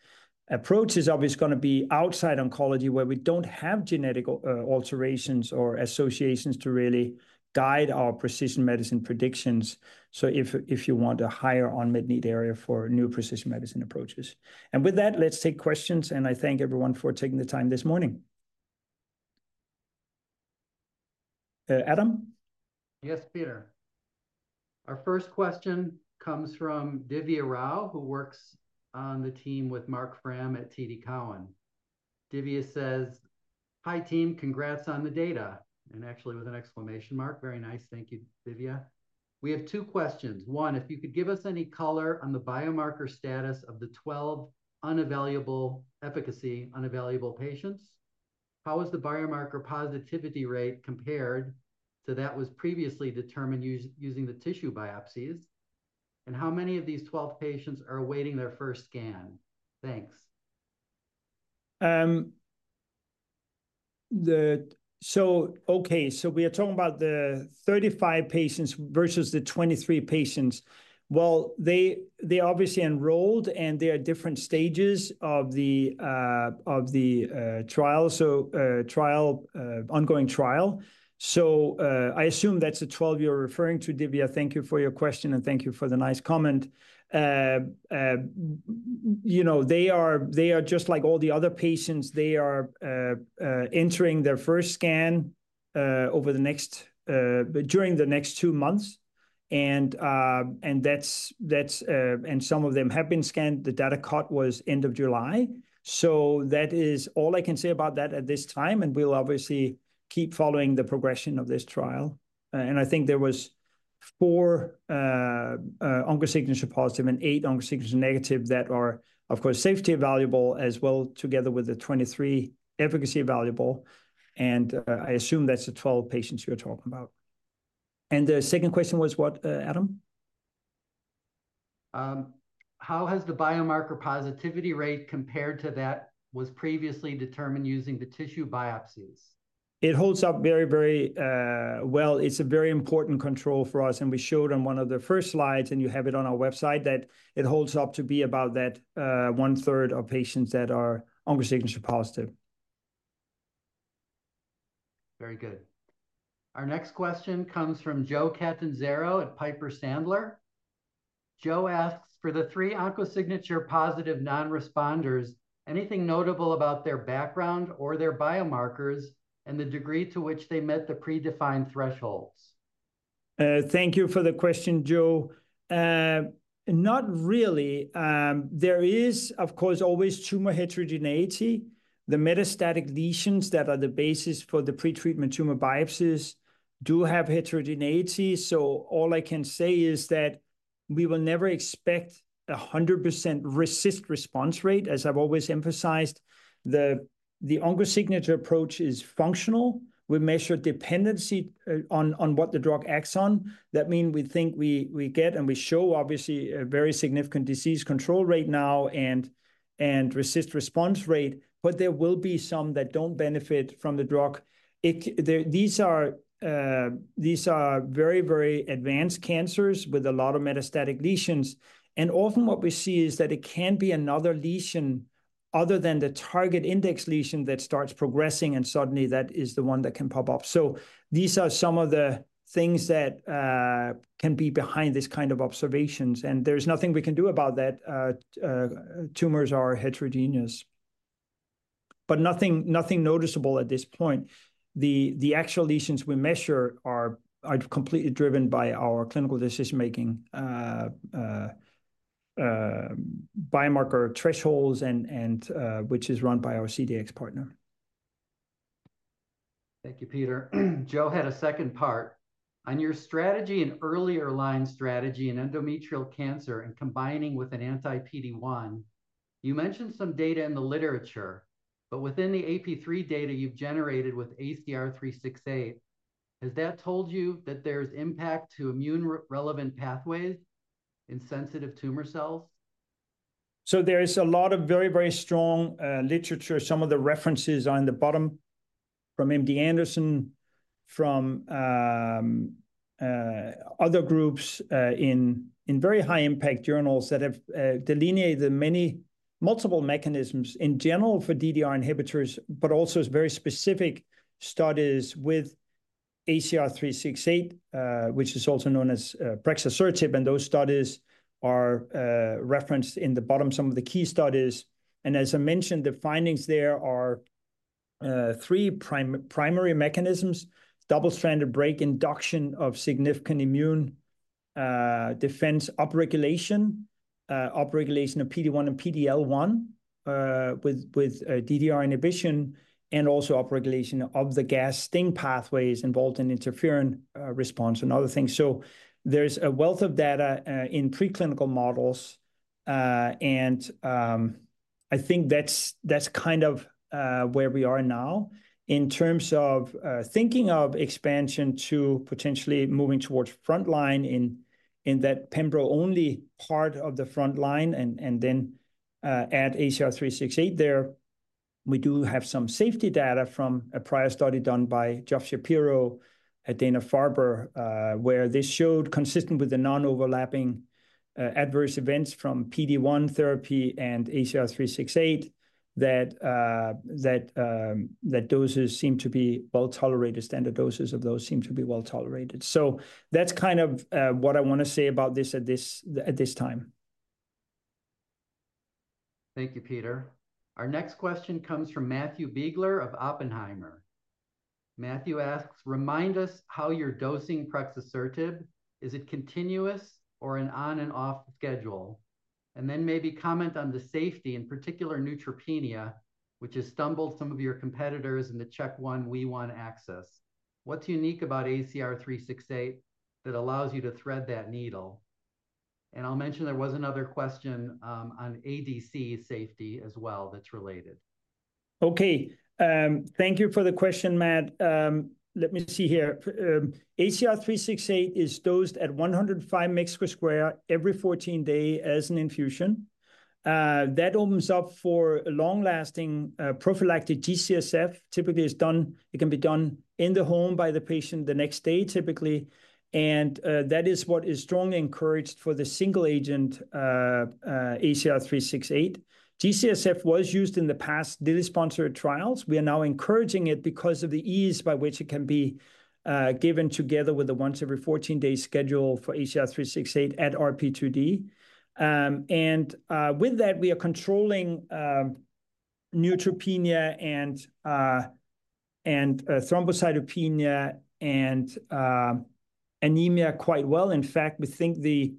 approach is obviously gonna be outside oncology, where we don't have genetic alterations or associations to really guide our precision medicine predictions, so if you want a higher unmet need area for new precision medicine approaches. And with that, let's take questions, and I thank everyone for taking the time this morning. Adam? Yes, Peter. Our first question comes from Divya Rao, who works on the team with Mark Frahm at TD Cowen. Divya says, "Hi, team. Congrats on the data!" And actually, with an exclamation mark. Very nice. Thank you, Divya. We have two questions. One, if you could give us any color on the biomarker status of the 12 unevaluable efficacy, unevaluable patients, how is the biomarker positivity rate compared to that was previously determined using the tissue biopsies? And how many of these 12 patients are awaiting their first scan? Thanks. We are talking about the 35 patients versus the 23 patients. They obviously enrolled, and they are at different stages of the ongoing trial. I assume that's the 12 you're referring to, Divya. Thank you for your question, and thank you for the nice comment. You know, they are just like all the other patients. They are entering their first scan during the next two months. And that's... And some of them have been scanned. The data cut was end of July. That is all I can say about that at this time, and we'll obviously keep following the progression of this trial. and I think there was four OncoSignature positive and eight OncoSignature negative that are, of course, safety evaluable as well, together with the 23 efficacy evaluable, and I assume that's the 12 patients you're talking about. And the second question was what, Adam? How has the biomarker positivity rate compared to that was previously determined using the tissue biopsies? It holds up very, very, well. It's a very important control for us, and we showed on one of the first slides, and you have it on our website, that it holds up to be about that one-third of patients that are OncoSignature positive. Very good. Our next question comes from Joe Catanzaro at Piper Sandler. Joe asks, "For the three OncoSignature positive non-responders, anything notable about their background or their biomarkers and the degree to which they met the predefined thresholds? Thank you for the question, Joe. Not really. There is, of course, always tumor heterogeneity. The metastatic lesions that are the basis for the pre-treatment tumor biopsies do have heterogeneity, so all I can say is that we will never expect 100% response rate, as I've always emphasized. The OncoSignature approach is functional. We measure dependency on what the drug acts on. That mean we get, and we show, obviously, a very significant disease control rate now and response rate, but there will be some that don't benefit from the drug. There... These are very, very advanced cancers with a lot of metastatic lesions, and often what we see is that it can be another lesion-... other than the target index lesion that starts progressing, and suddenly that is the one that can pop up. So these are some of the things that can be behind this kind of observations, and there's nothing we can do about that. Tumors are heterogeneous. But nothing noticeable at this point. The actual lesions we measure are completely driven by our clinical decision-making, biomarker thresholds and which is run by our CDx partner. Thank you, Peter. Joe had a second part: On your strategy and earlier line strategy in endometrial cancer and combining with an anti-PD-1, you mentioned some data in the literature, but within the AP3 data you've generated with ACR368, has that told you that there's impact to immune relevant pathways in sensitive tumor cells? So there is a lot of very, very strong literature. Some of the references are on the bottom from MD Anderson, from other groups in very high impact journals that have delineated the multiple mechanisms in general for DDR inhibitors, but also very specific studies with ACR368, which is also known as prexasertib. And those studies are referenced in the bottom, some of the key studies. And as I mentioned, the findings there are three primary mechanisms: double-stranded break induction of significant immune defense upregulation, upregulation of PD-1 and PD-L1 with DDR inhibition, and also upregulation of the cGAS-STING pathways involved in interferon response and other things. So there's a wealth of data in preclinical models. I think that's kind of where we are now. In terms of thinking of expansion to potentially moving towards frontline in that pembro-only part of the frontline and then add ACR368 there, we do have some safety data from a prior study done by Jeff Shapiro at Dana-Farber, where this showed consistent with the non-overlapping adverse events from PD-1 therapy and ACR368, that doses seem to be well-tolerated, standard doses of those seem to be well-tolerated. That's kind of what I want to say about this at this time. Thank you, Peter. Our next question comes from Matthew Biegler of Oppenheimer. Matthew asks, "Remind us how you're dosing prexasertib. Is it continuous or an on-and-off schedule? And then maybe comment on the safety, in particular neutropenia, which has stumbled some of your competitors in the CHK1/WEE1 axis. What's unique about ACR368 that allows you to thread that needle?" And I'll mention there was another question on ADC safety as well that's related. Okay. Thank you for the question, Matt. Let me see here. ACR368 is dosed at 105 mg per square meter every 14 days as an infusion. That opens up for a long-lasting prophylactic G-CSF. Typically, it's done. It can be done in the home by the patient the next day, typically, and that is what is strongly encouraged for the single agent ACR368. G-CSF was used in the past investigator-sponsored trials. We are now encouraging it because of the ease by which it can be given together with the once every 14-day schedule for ACR368 at RP2D. And with that, we are controlling neutropenia and thrombocytopenia and anemia quite well. In fact, we think the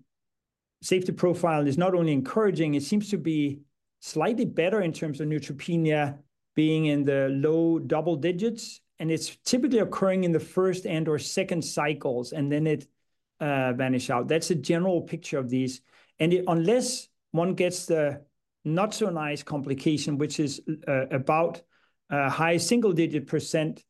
safety profile is not only encouraging, it seems to be slightly better in terms of neutropenia being in the low double digits, and it's typically occurring in the first and/or second cycles, and then it, vanish out. That's a general picture of these. And it unless one gets the not-so-nice complication, which is, about, high single-digit %,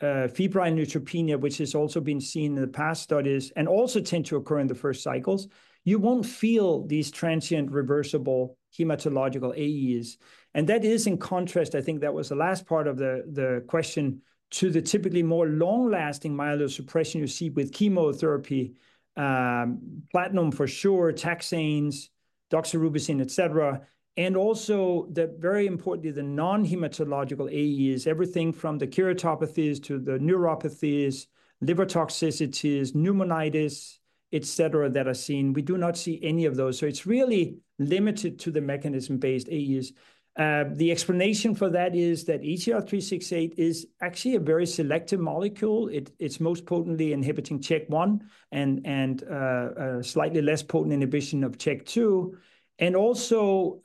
febrile neutropenia, which has also been seen in the past studies and also tend to occur in the first cycles, you won't feel these transient reversible hematological AEs. And that is in contrast, I think that was the last part of the question, to the typically more long-lasting myelosuppression you see with chemotherapy, platinum for sure, taxanes, doxorubicin, et cetera. And also very importantly, the non-hematological AEs, everything from the keratopathies to the neuropathies, liver toxicities, pneumonitis, et cetera, that are seen. We do not see any of those, so it's really limited to the mechanism-based AEs. The explanation for that is that ACR368 is actually a very selective molecule. It's most potently inhibiting CHK1 and a slightly less potent inhibition of CHK2. And also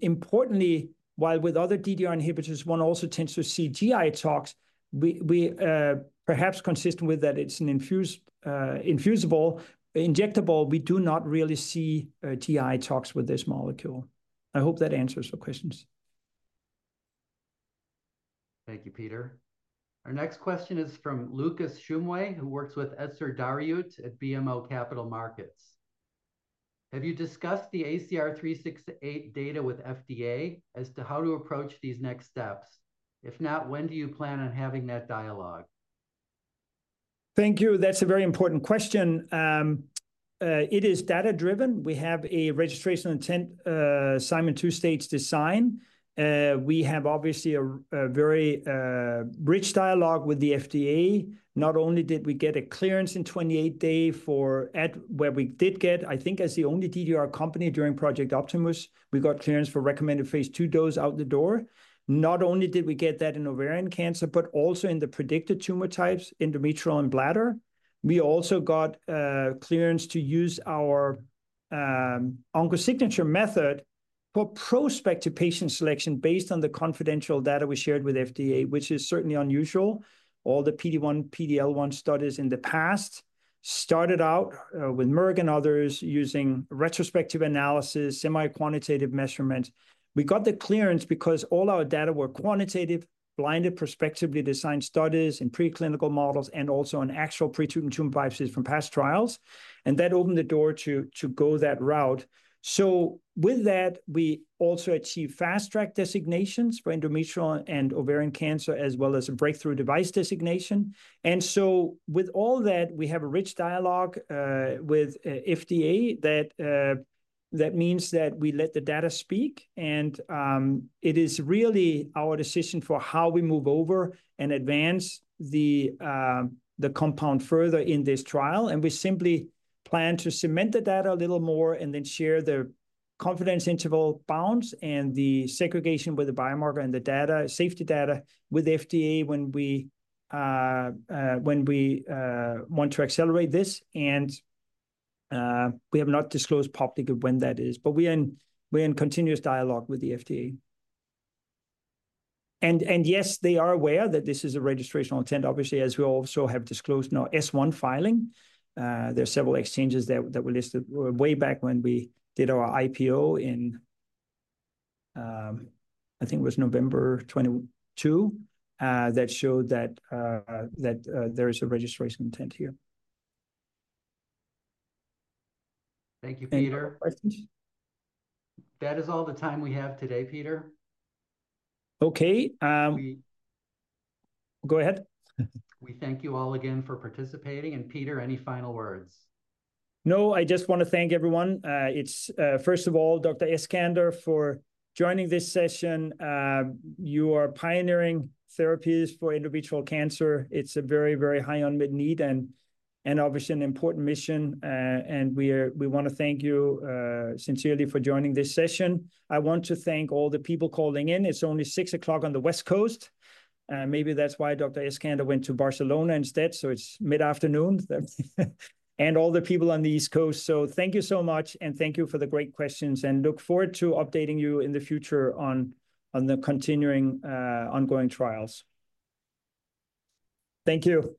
importantly, while with other DDR inhibitors, one also tends to see GI tox. We, perhaps consistent with that, it's an infusible injectable. We do not really see GI tox with this molecule. I hope that answers your questions. Thank you, Peter. Our next question is from Lucas Shumway, who works with Etzer Darout at BMO Capital Markets: Have you discussed the ACR368 data with FDA as to how to approach these next steps? If not, when do you plan on having that dialogue? ... Thank you. That's a very important question. It is data-driven. We have a registration intent, Simon 2-stage design. We have obviously a very rich dialogue with the FDA. Not only did we get a clearance in 28 day for where we did get, I think as the only DDR company during Project Optimus, we got clearance for recommended phase 2 dose out the door. Not only did we get that in ovarian cancer, but also in the predicted tumor types, endometrial and bladder. We also got clearance to use our OncoSignature method for prospective patient selection based on the confidential data we shared with FDA, which is certainly unusual. All the PD-1, PD-L1 studies in the past started out with Merck and others using retrospective analysis, semi-quantitative measurements. We got the clearance because all our data were quantitative, blinded, prospectively designed studies in preclinical models, and also on actual pre-treatment tumor biopsies from past trials, and that opened the door to go that route. So with that, we also achieved Fast Track designations for endometrial and ovarian cancer, as well as a Breakthrough Device designation. And so with all that, we have a rich dialogue with FDA that means that we let the data speak, and it is really our decision for how we move over and advance the compound further in this trial. And we simply plan to cement the data a little more and then share the confidence interval bounds and the segregation with the biomarker and the data, safety data with the FDA when we want to accelerate this. We have not disclosed publicly when that is, but we're in continuous dialogue with the FDA. Yes, they are aware that this is a registrational intent, obviously, as we also have disclosed in our S-1 filing. There are several exchanges that were listed way back when we did our IPO in November 2022, that showed that there is a registration intent here. Thank you, Peter. Any more questions? That is all the time we have today, Peter. Okay, um- We- Go ahead. We thank you all again for participating, and Peter, any final words? No, I just want to thank everyone. It's first of all Dr. Eskander for joining this session. You are pioneering therapies for endometrial cancer. It's a very high unmet need and obviously an important mission. We want to thank you sincerely for joining this session. I want to thank all the people calling in. It's only six o'clock on the West Coast, maybe that's why Dr. Eskander went to Barcelona instead, so it's mid-afternoon and all the people on the East Coast. So thank you so much, and thank you for the great questions, and look forward to updating you in the future on the continuing ongoing trials. Thank you.